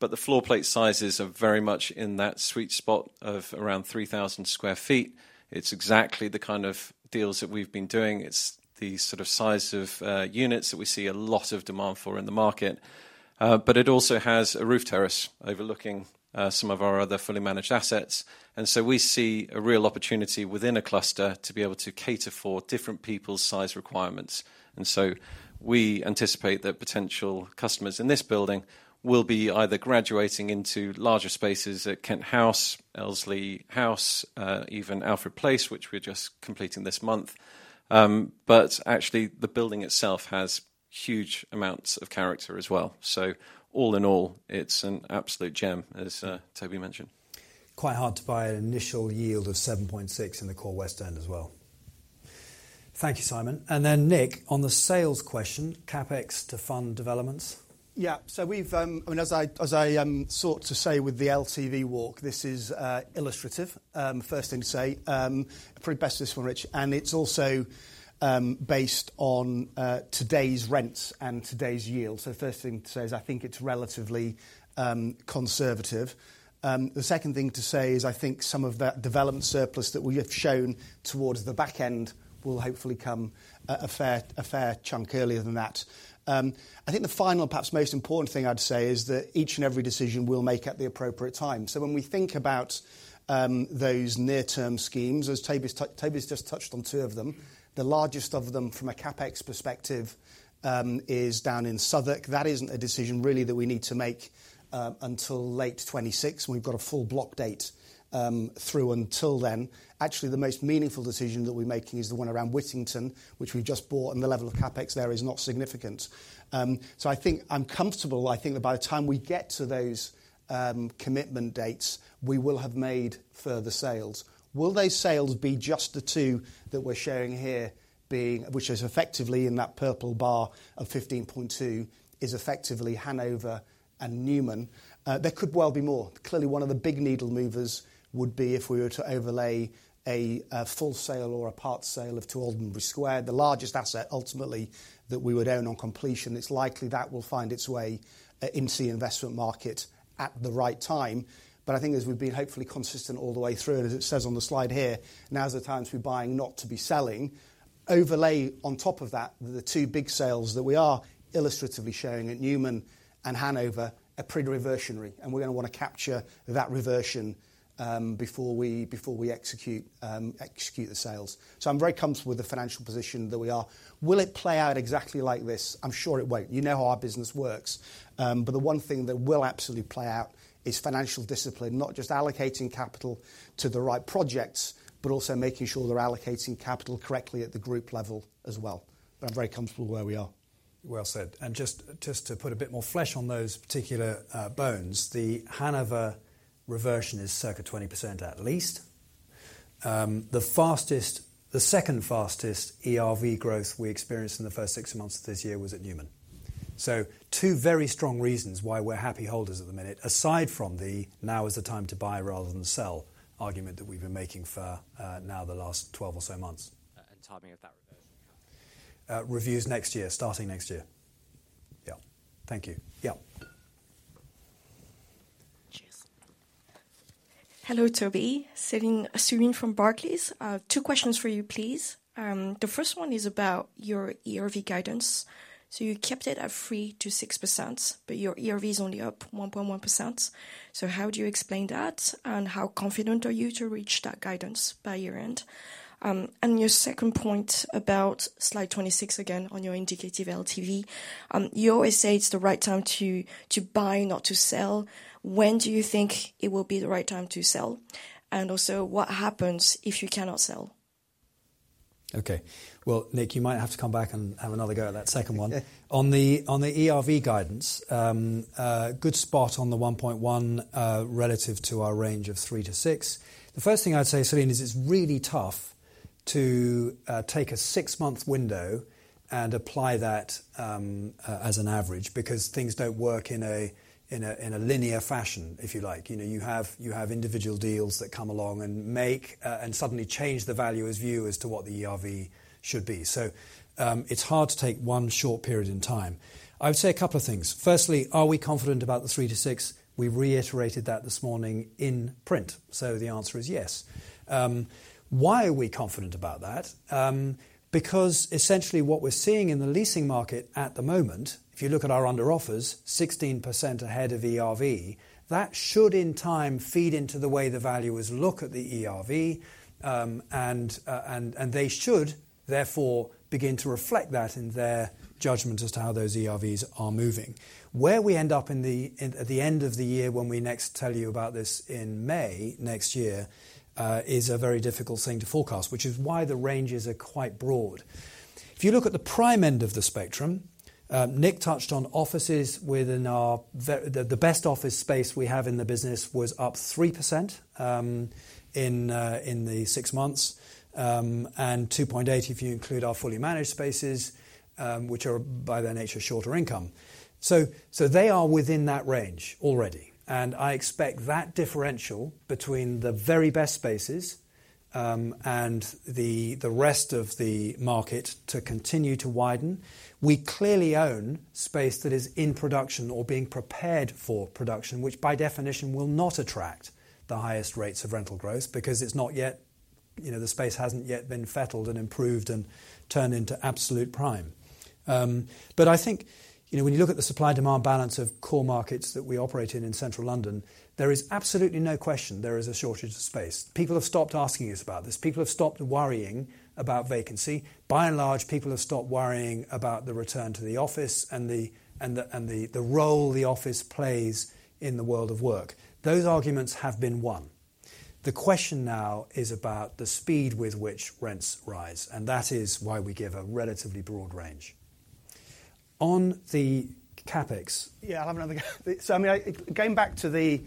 but the floor plate sizes are very much in that sweet spot of around 3,000 sq ft. It's exactly the kind of deals that we've been doing. It's the sort of size of units that we see a lot of demand for in the market. It also has a roof terrace overlooking some of our other Fully Managed assets. We see a real opportunity within a cluster to be able to cater for different people's size requirements. We anticipate that potential customers in this building will be either graduating into larger spaces at Kent House, Elsley House, even Alfred Place, which we're just completing this month. The building itself has huge amounts of character as well. All in all, it's an absolute gem, as Toby mentioned. Quite hard to buy an initial yield of 7.6% in the core West End as well. Thank you, Simon. Then Nick, on the sales question, CapEx to fund developments? Yeah. I mean, as I sort of said with the LTV walk, this is illustrative. First thing to say, probably best to this one, Rich.It's also based on today's rents and today's yield. So first thing to say is I think it's relatively conservative. The second thing to say is I think some of that development surplus that we have shown towards the back end will hopefully come a fair chunk earlier than that. I think the final, perhaps most important thing I'd say is that each and every decision we'll make at the appropriate time. So when we think about those near-term schemes, as Toby's just touched on two of them, the largest of them from a CapEx perspective is down in Southwark. That isn't a decision really that we need to make until late 2026. We've got a full block date through until then. Actually, the most meaningful decision that we're making is the one around Whittington, which we've just bought, and the level of CapEx there is not significant. So I think I'm comfortable. I think that by the time we get to those commitment dates, we will have made further sales. Will those sales be just the two that we're sharing here, which is effectively in that purple bar of 15.2, is effectively Hanover and Newman? There could well be more. Clearly, one of the big needle movers would be if we were to overlay a full sale or a part sale of 2 Aldermanbury Square, the largest asset ultimately that we would own on completion. It's likely that will find its way into the investment market at the right time. But I think as we've been hopefully consistent all the way through, and as it says on the slide here, now's the time to be buying, not to be selling. Overlay on top of that, the two big sales that we are illustratively showing at Newman and Hanover are pretty reversionary. And we're going to want to capture that reversion before we execute the sales. So I'm very comfortable with the financial position that we are. Will it play out exactly like this? I'm sure it won't. You know how our business works. But the one thing that will absolutely play out is financial discipline, not just allocating capital to the right projects, but also making sure they're allocating capital correctly at the group level as well. But I'm very comfortable where we are. Well said. And just to put a bit more flesh on those particular bones, the Hanover reversion is circa 20% at least. The second fastest ERV growth we experienced in the first six months of this year was at Newman. So two very strong reasons why we're happy holders at the minute, aside from the now is the time to buy rather than sell argument that we've been making for now the last 12 or so months. And timing of that reversion? Reviews next year, starting next year. Yeah. Thank you. Yeah. Cheers. Hello, Toby. Sander from Barclays. Two questions for you, please. The first one is about your ERV guidance. So you kept it at 3%-6%, but your ERV is only up 1.1%. So how do you explain that? And how confident are you to reach that guidance by year-end? And your second point about Slide 26 again on your indicative LTV, you always say it's the right time to buy, not to sell. When do you think it will be the right time to sell? And also, what happens if you cannot sell? Okay. Nick, you might have to come back and have another go at that second one. On the ERV guidance, good spot on the 1.1% relative to our range of 3%-6%. The first thing I'd say, Sander, is it's really tough to take a six-month window and apply that as an average because things don't work in a linear fashion, if you like. You have individual deals that come along and suddenly change our view as to what the ERV should be. So it's hard to take one short period in time. I would say a couple of things. Firstly, are we confident about the 3%-6%? We reiterated that this morning in print. So the answer is yes. Why are we confident about that? Because essentially what we're seeing in the leasing market at the moment, if you look at our under-offers, 16% ahead of ERV, that should in time feed into the way the valuers look at the ERV. And they should, therefore, begin to reflect that in their judgment as to how those ERVs are moving. Where we end up at the end of the year when we next tell you about this in May next year is a very difficult thing to forecast, which is why the ranges are quite broad. If you look at the prime end of the spectrum, Nick touched on offices within our, the best office space we have in the business was up 3% in the six months and 2.8% if you include our Fully Managed spaces, which are by their nature shorter income, so they are within that range already. I expect that differential between the very best spaces and the rest of the market to continue to widen. We clearly own space that is in production or being prepared for production, which by definition will not attract the highest rates of rental growth because it's not yet, the space hasn't yet been settled and improved and turned into absolute prime. I think when you look at the supply-demand balance of core markets that we operate in in central London, there is absolutely no question there is a shortage of space. People have stopped asking us about this. People have stopped worrying about vacancy. By and large, people have stopped worrying about the return to the office and the role the office plays in the world of work. Those arguments have been won. The question now is about the speed with which rents rise. And that is why we give a relatively broad range on the CapEx. Yeah, I have another guy. So I mean, going back to the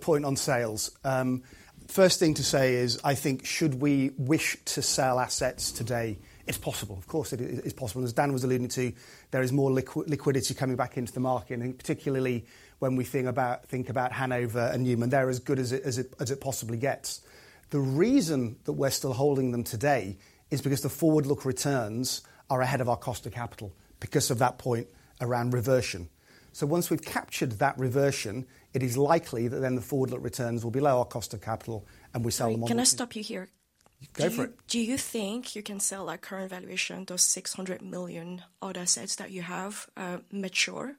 point on sales, first thing to say is I think should we wish to sell assets today, it's possible. Of course, it is possible. As Dan was alluding to, there is more liquidity coming back into the market, and particularly when we think about Hanover and Newman, they're as good as it possibly gets. The reason that we're still holding them today is because the forward-look returns are ahead of our cost of capital because of that point around reversion. So once we've captured that reversion, it is likely that then the forward-look returns will be lower, our cost of capital, and we sell them on the market. Can I stop you here? Go for it. Do you think you can sell at current valuation those 600 million-odd assets that you have mature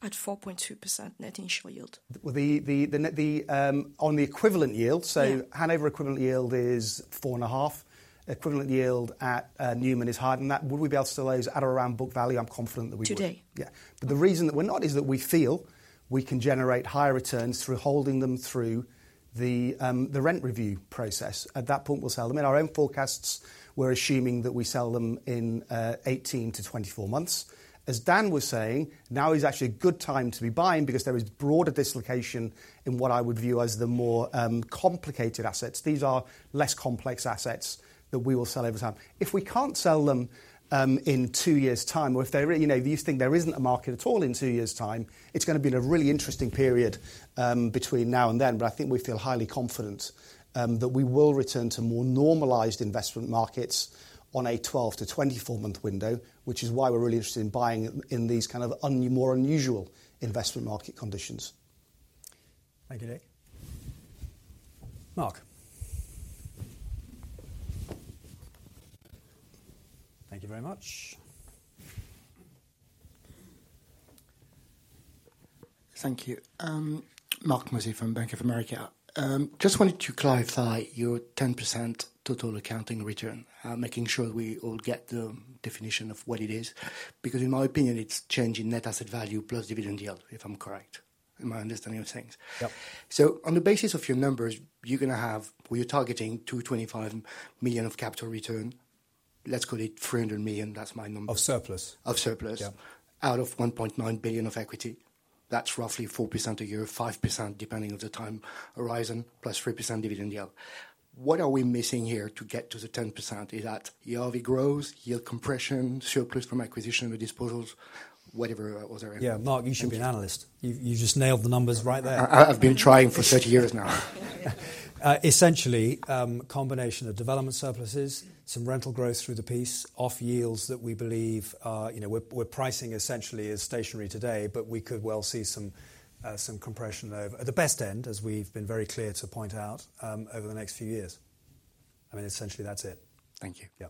at 4.2% net initial yield? On the equivalent yield, so Hanover equivalent yield is 4.5%. Equivalent yield at Newman is higher. And that will we be able to sell those at or around book value? I'm confident that we will today. Yeah, but the reason that we're not is that we feel we can generate higher returns through holding them through the rent review process. At that point, we'll sell them. In our own forecasts, we're assuming that we sell them in 18 to 24 months. As Dan was saying, now is actually a good time to be buying because there is broader dislocation in what I would view as the more complicated assets. These are less complex assets that we will sell over time. If we can't sell them in two years' time, or if you think there isn't a market at all in two years' time, it's going to be in a really interesting period between now and then. But I think we feel highly confident that we will return to more normalized investment markets on a 12- to 24-month window, which is why we're really interested in buying in these kind of more unusual investment market conditions. Thank you, Nick. Marc. Thank you very much. Thank you. Marc Mozzi from Bank of America. Just wanted to clarify your 10% total accounting return, making sure we all get the definition of what it is. Because in my opinion, it's changing net asset value plus dividend yield, if I'm correct, in my understanding of things. So on the basis of your numbers, you're going to have, well, you're targeting 225 million of capital return. Let's call it 300 million. That's my number of surplus. Out of 1.9 billion of equity. That's roughly 4% a year, 5% depending on the time horizon, +3% dividend yield. What are we missing here to get to the 10%? Is that ERV growth, yield compression, surplus from acquisition or disposals, whatever it was? Yeah. Marc, you should be an analyst. You just nailed the numbers right there. I've been trying for 30 years now. Essentially, a combination of development surpluses, some rental growth through the lease, yields that we believe we're pricing essentially as stationary today, but we could well see some compression at the best end, as we've been very clear to point out over the next few years. I mean, essentially, that's it. Thank you. Yeah.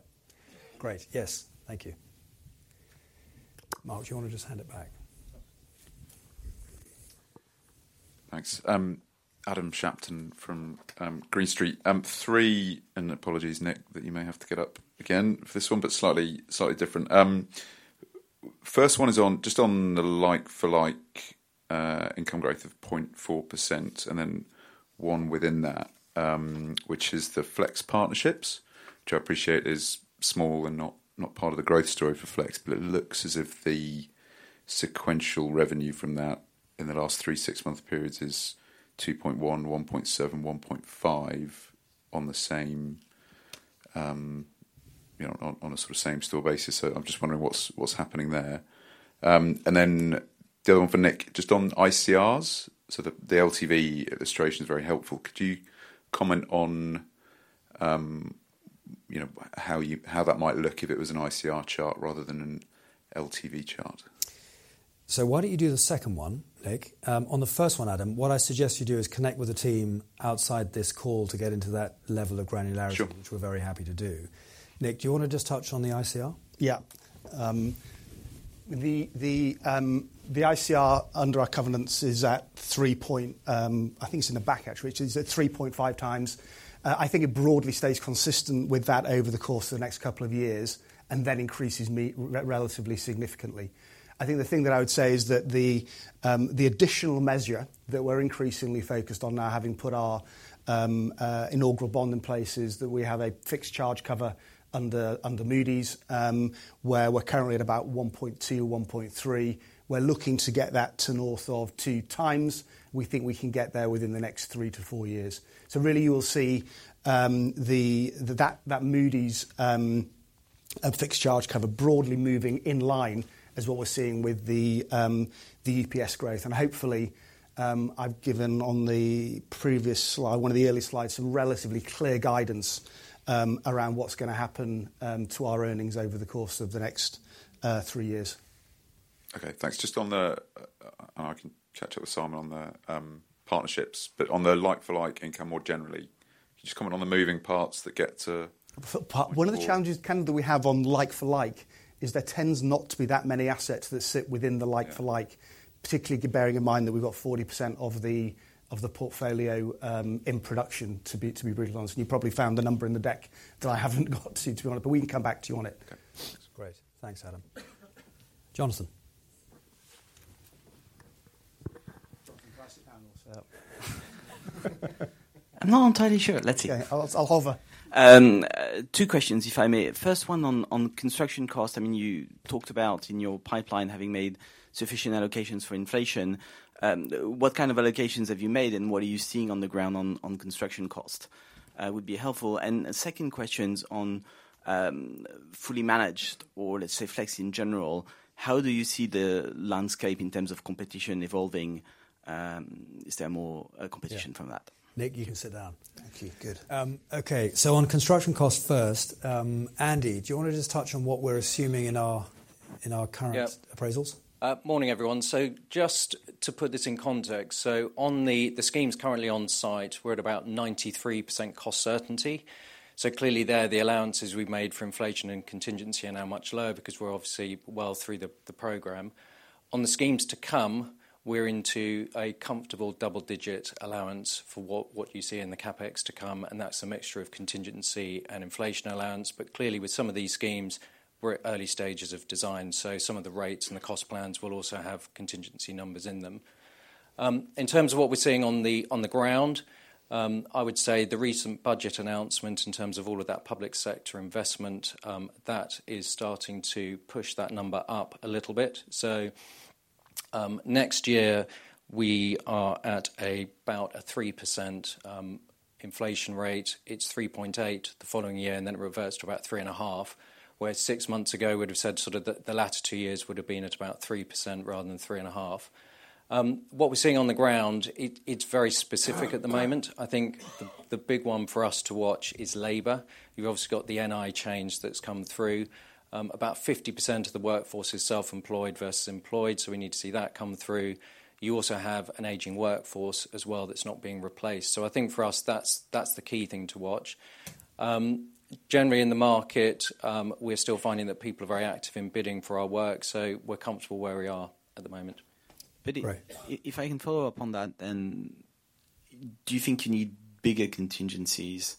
Great. Yes. Thank you. Mark, do you want to just hand it back? Thanks. Adam Shapton from Green Street. Three, and apologies, Nick, that you may have to get up again for this one, but slightly different. First one is just on the like-for-like income growth of 0.4%, and then one within that, which is the Flex Partnerships, which I appreciate is small and not part of the growth story for Flex, but it looks as if the sequential revenue from that in the last three, six-month periods is 2.1, 1.7, 1.5 on the same on a sort of same store basis. So I'm just wondering what's happening there. And then the other one for Nick, just on ICRs. So the LTV illustration is very helpful. Could you comment on how that might look if it was an ICR chart rather than an LTV chart? So why don't you do the second one, Nick? On the first one, Adam, what I suggest you do is connect with a team outside this call to get into that level of granularity, which we're very happy to do. Nick, do you want to just touch on the ICR? Yeah. The ICR under our covenants is at 3.0 I think it's in the pack, actually, which is at 3.5x. I think it broadly stays consistent with that over the course of the next couple of years and then increases relatively significantly. I think the thing that I would say is that the additional measure that we're increasingly focused on now, having put our inaugural bond in place, is that we have a fixed charge cover under Moody's, where we're currently at about 1.2, 1.3. We're looking to get that to north of two times. We think we can get there within the next three to four years. So really, you will see that Moody's fixed charge cover broadly moving in line as what we're seeing with the EPS growth. And hopefully, I've given on the previous slide, one of the early slides, some relatively clear guidance around what's going to happen to our earnings over the course of the next three years. Okay. Thanks. Just on the, and I can catch up with Simon on the partnerships, but on the like-for-like income more generally, can you just comment on the moving parts that get to? One of the challenges kind of that we have on like-for-like is there tends not to be that many assets that sit within the like-for-like, particularly bearing in mind that we've got 40% of the portfolio in production to be redeveloped. And you probably found the number in the deck that I haven't got to, to be honest, but we can come back to you on it. Okay. Great. Thanks, Adam. Jonathan. I'm not entirely sure. Let's see. I'll hover. Two questions, if I may. First one on construction cost. I mean, you talked about in your pipeline having made sufficient allocations for inflation. What kind of allocations have you made, and what are you seeing on the ground on construction cost? Would be helpful. And second questions on Fully Managed or, let's say, Flex in general. How do you see the landscape in terms of competition evolving? Is there more competition from that? Nick, you can sit down. Thank you. Good. Okay. So on construction cost first, Andy, do you want to just touch on what we're assuming in our current appraisals? Morning, everyone. Just to put this in context, on the schemes currently on site, we're at about 93% cost certainty. Clearly there, the allowances we've made for inflation and contingency are now much lower because we're obviously well through the program. On the schemes to come, we're into a comfortable double-digit allowance for what you see in the CapEx to come. And that's a mixture of contingency and inflation allowance. But clearly, with some of these schemes, we're at early stages of design. So some of the rates and the cost plans will also have contingency numbers in them. In terms of what we're seeing on the ground, I would say the recent budget announcement in terms of all of that public sector investment, that is starting to push that number up a little bit. Next year, we are at about a 3% inflation rate. It's 3.8 the following year, and then it reverts to about 3.5, where six months ago, we'd have said sort of that the latter two years would have been at about 3% rather than 3.5. What we're seeing on the ground, it's very specific at the moment. I think the big one for us to watch is labor. You've obviously got the NI change that's come through. About 50% of the workforce is self-employed versus employed, so we need to see that come through. You also have an aging workforce as well that's not being replaced. So I think for us, that's the key thing to watch. Generally, in the market, we're still finding that people are very active in bidding for our work, so we're comfortable where we are at the moment. If I can follow up on that, then do you think you need bigger contingencies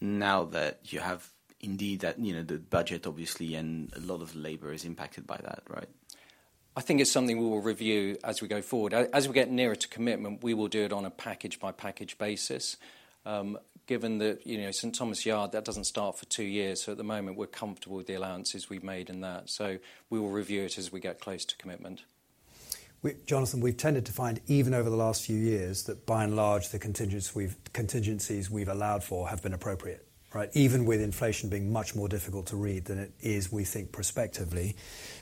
now that you have indeed that the budget, obviously, and a lot of labor is impacted by that, right? I think it's something we will review as we go forward. As we get nearer to commitment, we will do it on a package-by-package basis. Given that St Thomas Yard, that doesn't start for two years. So at the moment, we're comfortable with the allowances we've made in that. So we will review it as we get close to commitment. Jonathan, we've tended to find even over the last few years that by and large, the contingencies we've allowed for have been appropriate, right? Even with inflation being much more difficult to read than it is, we think, prospectively.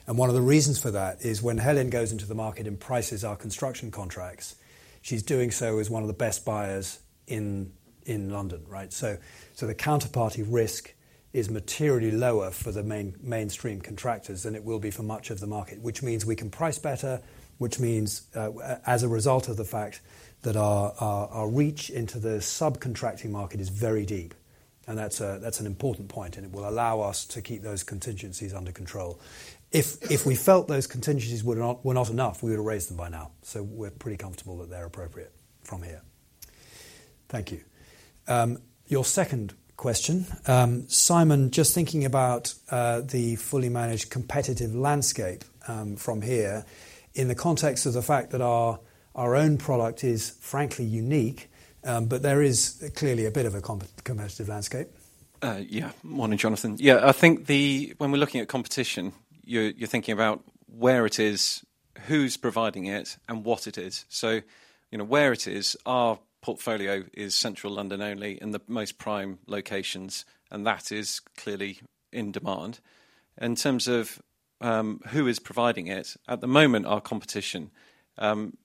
One of the reasons for that is when Helen goes into the market and prices our construction contracts, she's doing so as one of the best buyers in London, right? So the counterparty risk is materially lower for the mainstream contractors than it will be for much of the market, which means we can price better, which means as a result of the fact that our reach into the subcontracting market is very deep. And that's an important point, and it will allow us to keep those contingencies under control. If we felt those contingencies were not enough, we would have raised them by now. So we're pretty comfortable that they're appropriate from here. Thank you. Your second question, Simon, just thinking about the Fully Managed competitive landscape from here in the context of the fact that our own product is frankly unique, but there is clearly a bit of a competitive landscape. Yeah. Morning, Jonathan. Yeah. I think when we're looking at competition, you're thinking about where it is, who's providing it, and what it is. So where it is, our portfolio is central London only in the most prime locations, and that is clearly in demand. In terms of who is providing it, at the moment, our competition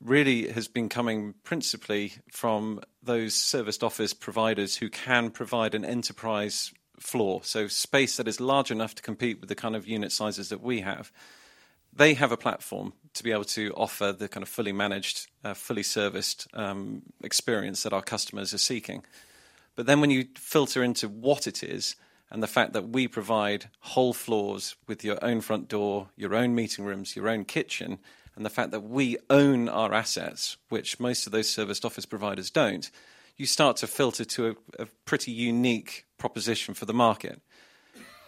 really has been coming principally from those serviced office providers who can provide an enterprise floor, so space that is large enough to compete with the kind of unit sizes that we have. They have a platform to be able to offer the kind of Fully Managed, fully serviced experience that our customers are seeking. But then when you filter into what it is and the fact that we provide whole floors with your own front door, your own meeting rooms, your own kitchen, and the fact that we own our assets, which most of those serviced office providers don't, you start to filter to a pretty unique proposition for the market.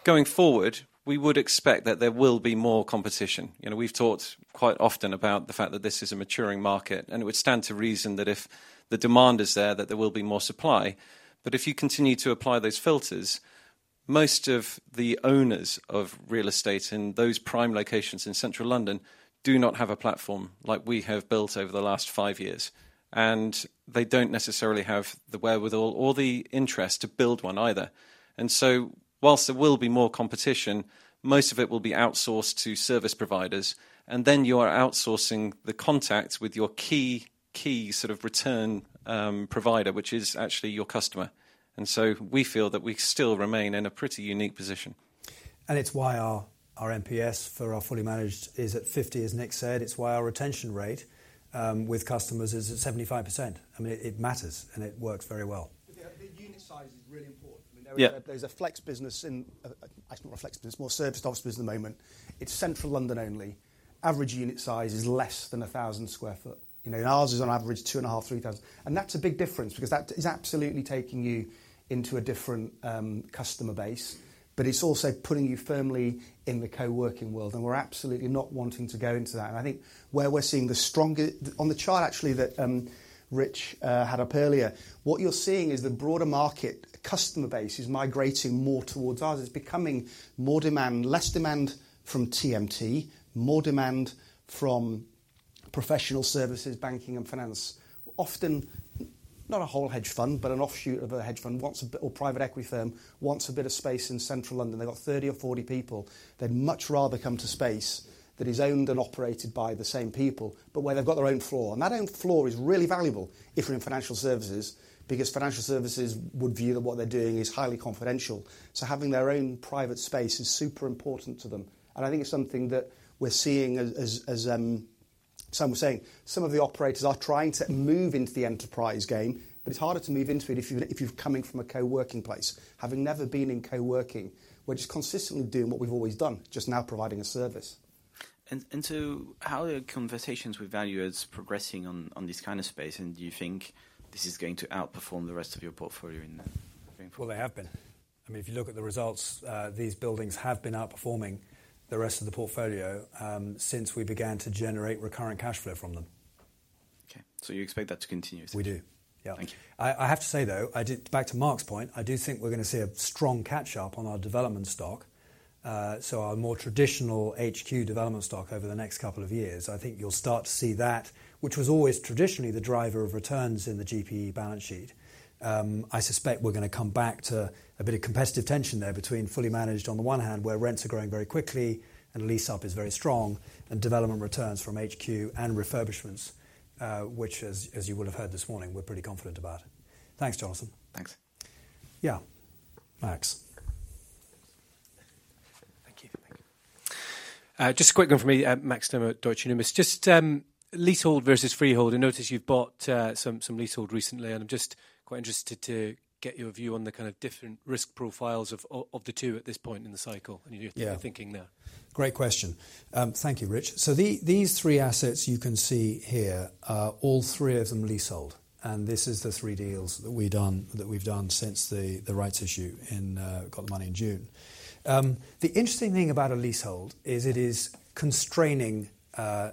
Going forward, we would expect that there will be more competition. We've talked quite often about the fact that this is a maturing market, and it would stand to reason that if the demand is there, that there will be more supply. But if you continue to apply those filters, most of the owners of real estate in those prime locations in central London do not have a platform like we have built over the last five years. And they don't necessarily have the wherewithal or the interest to build one either. While there will be more competition, most of it will be outsourced to service providers. And then you are outsourcing the contact with your key sort of return provider, which is actually your customer. And so we feel that we still remain in a pretty unique position. And it's why our NPS for our Fully Managed is at 50, as Nick said. It's why our retention rate with customers is at 75%. I mean, it matters, and it works very well. The unit size is really important. I mean, there's a Flex business in, it's not a Flex business, more serviced offices at the moment. It's central London only. Average unit size is less than 1,000 sq ft. Ours is on average 2,500-3,000 sq ft. That's a big difference because that is absolutely taking you into a different customer base, but it's also putting you firmly in the co-working world. We're absolutely not wanting to go into that. I think where we're seeing the strongest on the chart, actually, that Rich had up earlier, what you're seeing is the broader market customer base is migrating more towards ours. It's becoming more demand, less demand from TMT, more demand from professional services, banking, and finance. Often not a whole hedge fund, but an offshoot of a hedge fund, or private equity firm wants a bit of space in central London. They've got 30 or 40 people. They'd much rather come to space that is owned and operated by the same people, but where they've got their own floor. That own floor is really valuable if we're in financial services because financial services would view that what they're doing is highly confidential. So having their own private space is super important to them. I think it's something that we're seeing, as Simon was saying, some of the operators are trying to move into the enterprise game, but it's harder to move into it if you're coming from a co-working place, having never been in co-working, where just consistently doing what we've always done, just now providing a service. How are your conversations with valuers progressing on this kind of space? Do you think this is going to outperform the rest of your portfolio in that? They have been. I mean, if you look at the results, these buildings have been outperforming the rest of the portfolio since we began to generate recurrent cash flow from them. Okay. So you expect that to continue? We do. Yeah. Thank you. I have to say, though, back to Mark's point, I do think we're going to see a strong catch-up on our development stock, so our more traditional HQ development stock over the next couple of years. I think you'll start to see that, which was always traditionally the driver of returns in the GPE balance sheet. I suspect we're going to come back to a bit of competitive tension there between Fully Managed on the one hand, where rents are growing very quickly and lease-up is very strong, and development returns from HQ and refurbishments, which, as you will have heard this morning, we're pretty confident about. Thanks, Jonathan. Thanks. Yeah. Max. Thank you. Just a quick one from me, Max Nimmo, Deutsche Numis. Just leasehold versus freehold. I noticed you've bought some leasehold recently, and I'm just quite interested to get your view on the kind of different risk profiles of the two at this point in the cycle and your thinking there. Great question. Thank you, Rich. So these three assets you can see here, all three of them leasehold, and this is the three deals that we've done since the rights issue and got the money in June. The interesting thing about a leasehold is it is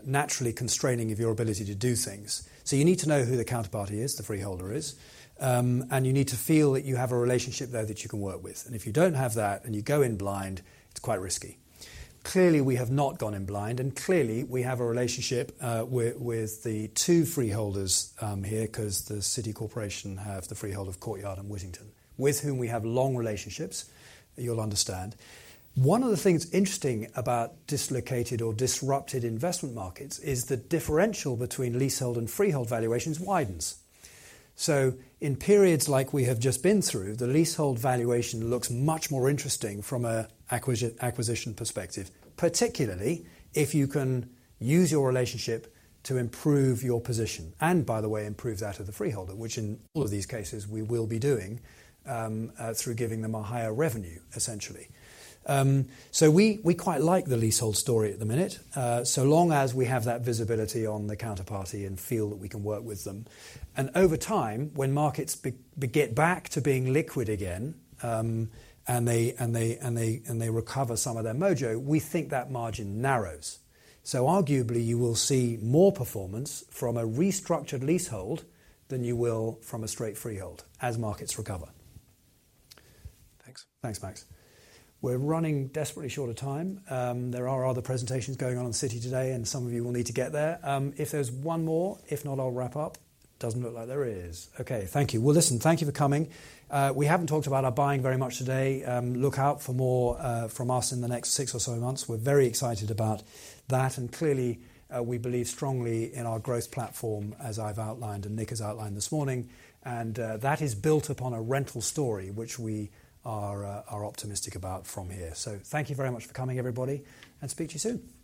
naturally constraining of your ability to do things. So you need to know who the counterparty is, the freeholder is, and you need to feel that you have a relationship there that you can work with, and if you don't have that and you go in blind, it's quite risky. Clearly, we have not gone in blind, and clearly, we have a relationship with the two freeholders here because the City Corporation has the freehold of Courtyard and Whittington, with whom we have long relationships, you'll understand. One of the things interesting about dislocated or disrupted investment markets is the differential between leasehold and freehold valuations widens. So in periods like we have just been through, the leasehold valuation looks much more interesting from an acquisition perspective, particularly if you can use your relationship to improve your position and, by the way, improve that of the freeholder, which in all of these cases, we will be doing through giving them a higher revenue, essentially. So we quite like the leasehold story at the minute, so long as we have that visibility on the counterparty and feel that we can work with them. And over time, when markets get back to being liquid again and they recover some of their mojo, we think that margin narrows. So arguably, you will see more performance from a restructured leasehold than you will from a straight freehold as markets recover. Thanks. Thanks, Max. We're running desperately short of time. There are other presentations going on in the City today, and some of you will need to get there. If there's one more, if not, I'll wrap up. Doesn't look like there is. Okay. Thank you. Well, listen, thank you for coming. We haven't talked about our buying very much today. Look out for more from us in the next six or so months. We're very excited about that. And clearly, we believe strongly in our growth platform, as I've outlined and Nick has outlined this morning. And that is built upon a rental story, which we are optimistic about from here. So thank you very much for coming, everybody, and speak to you soon.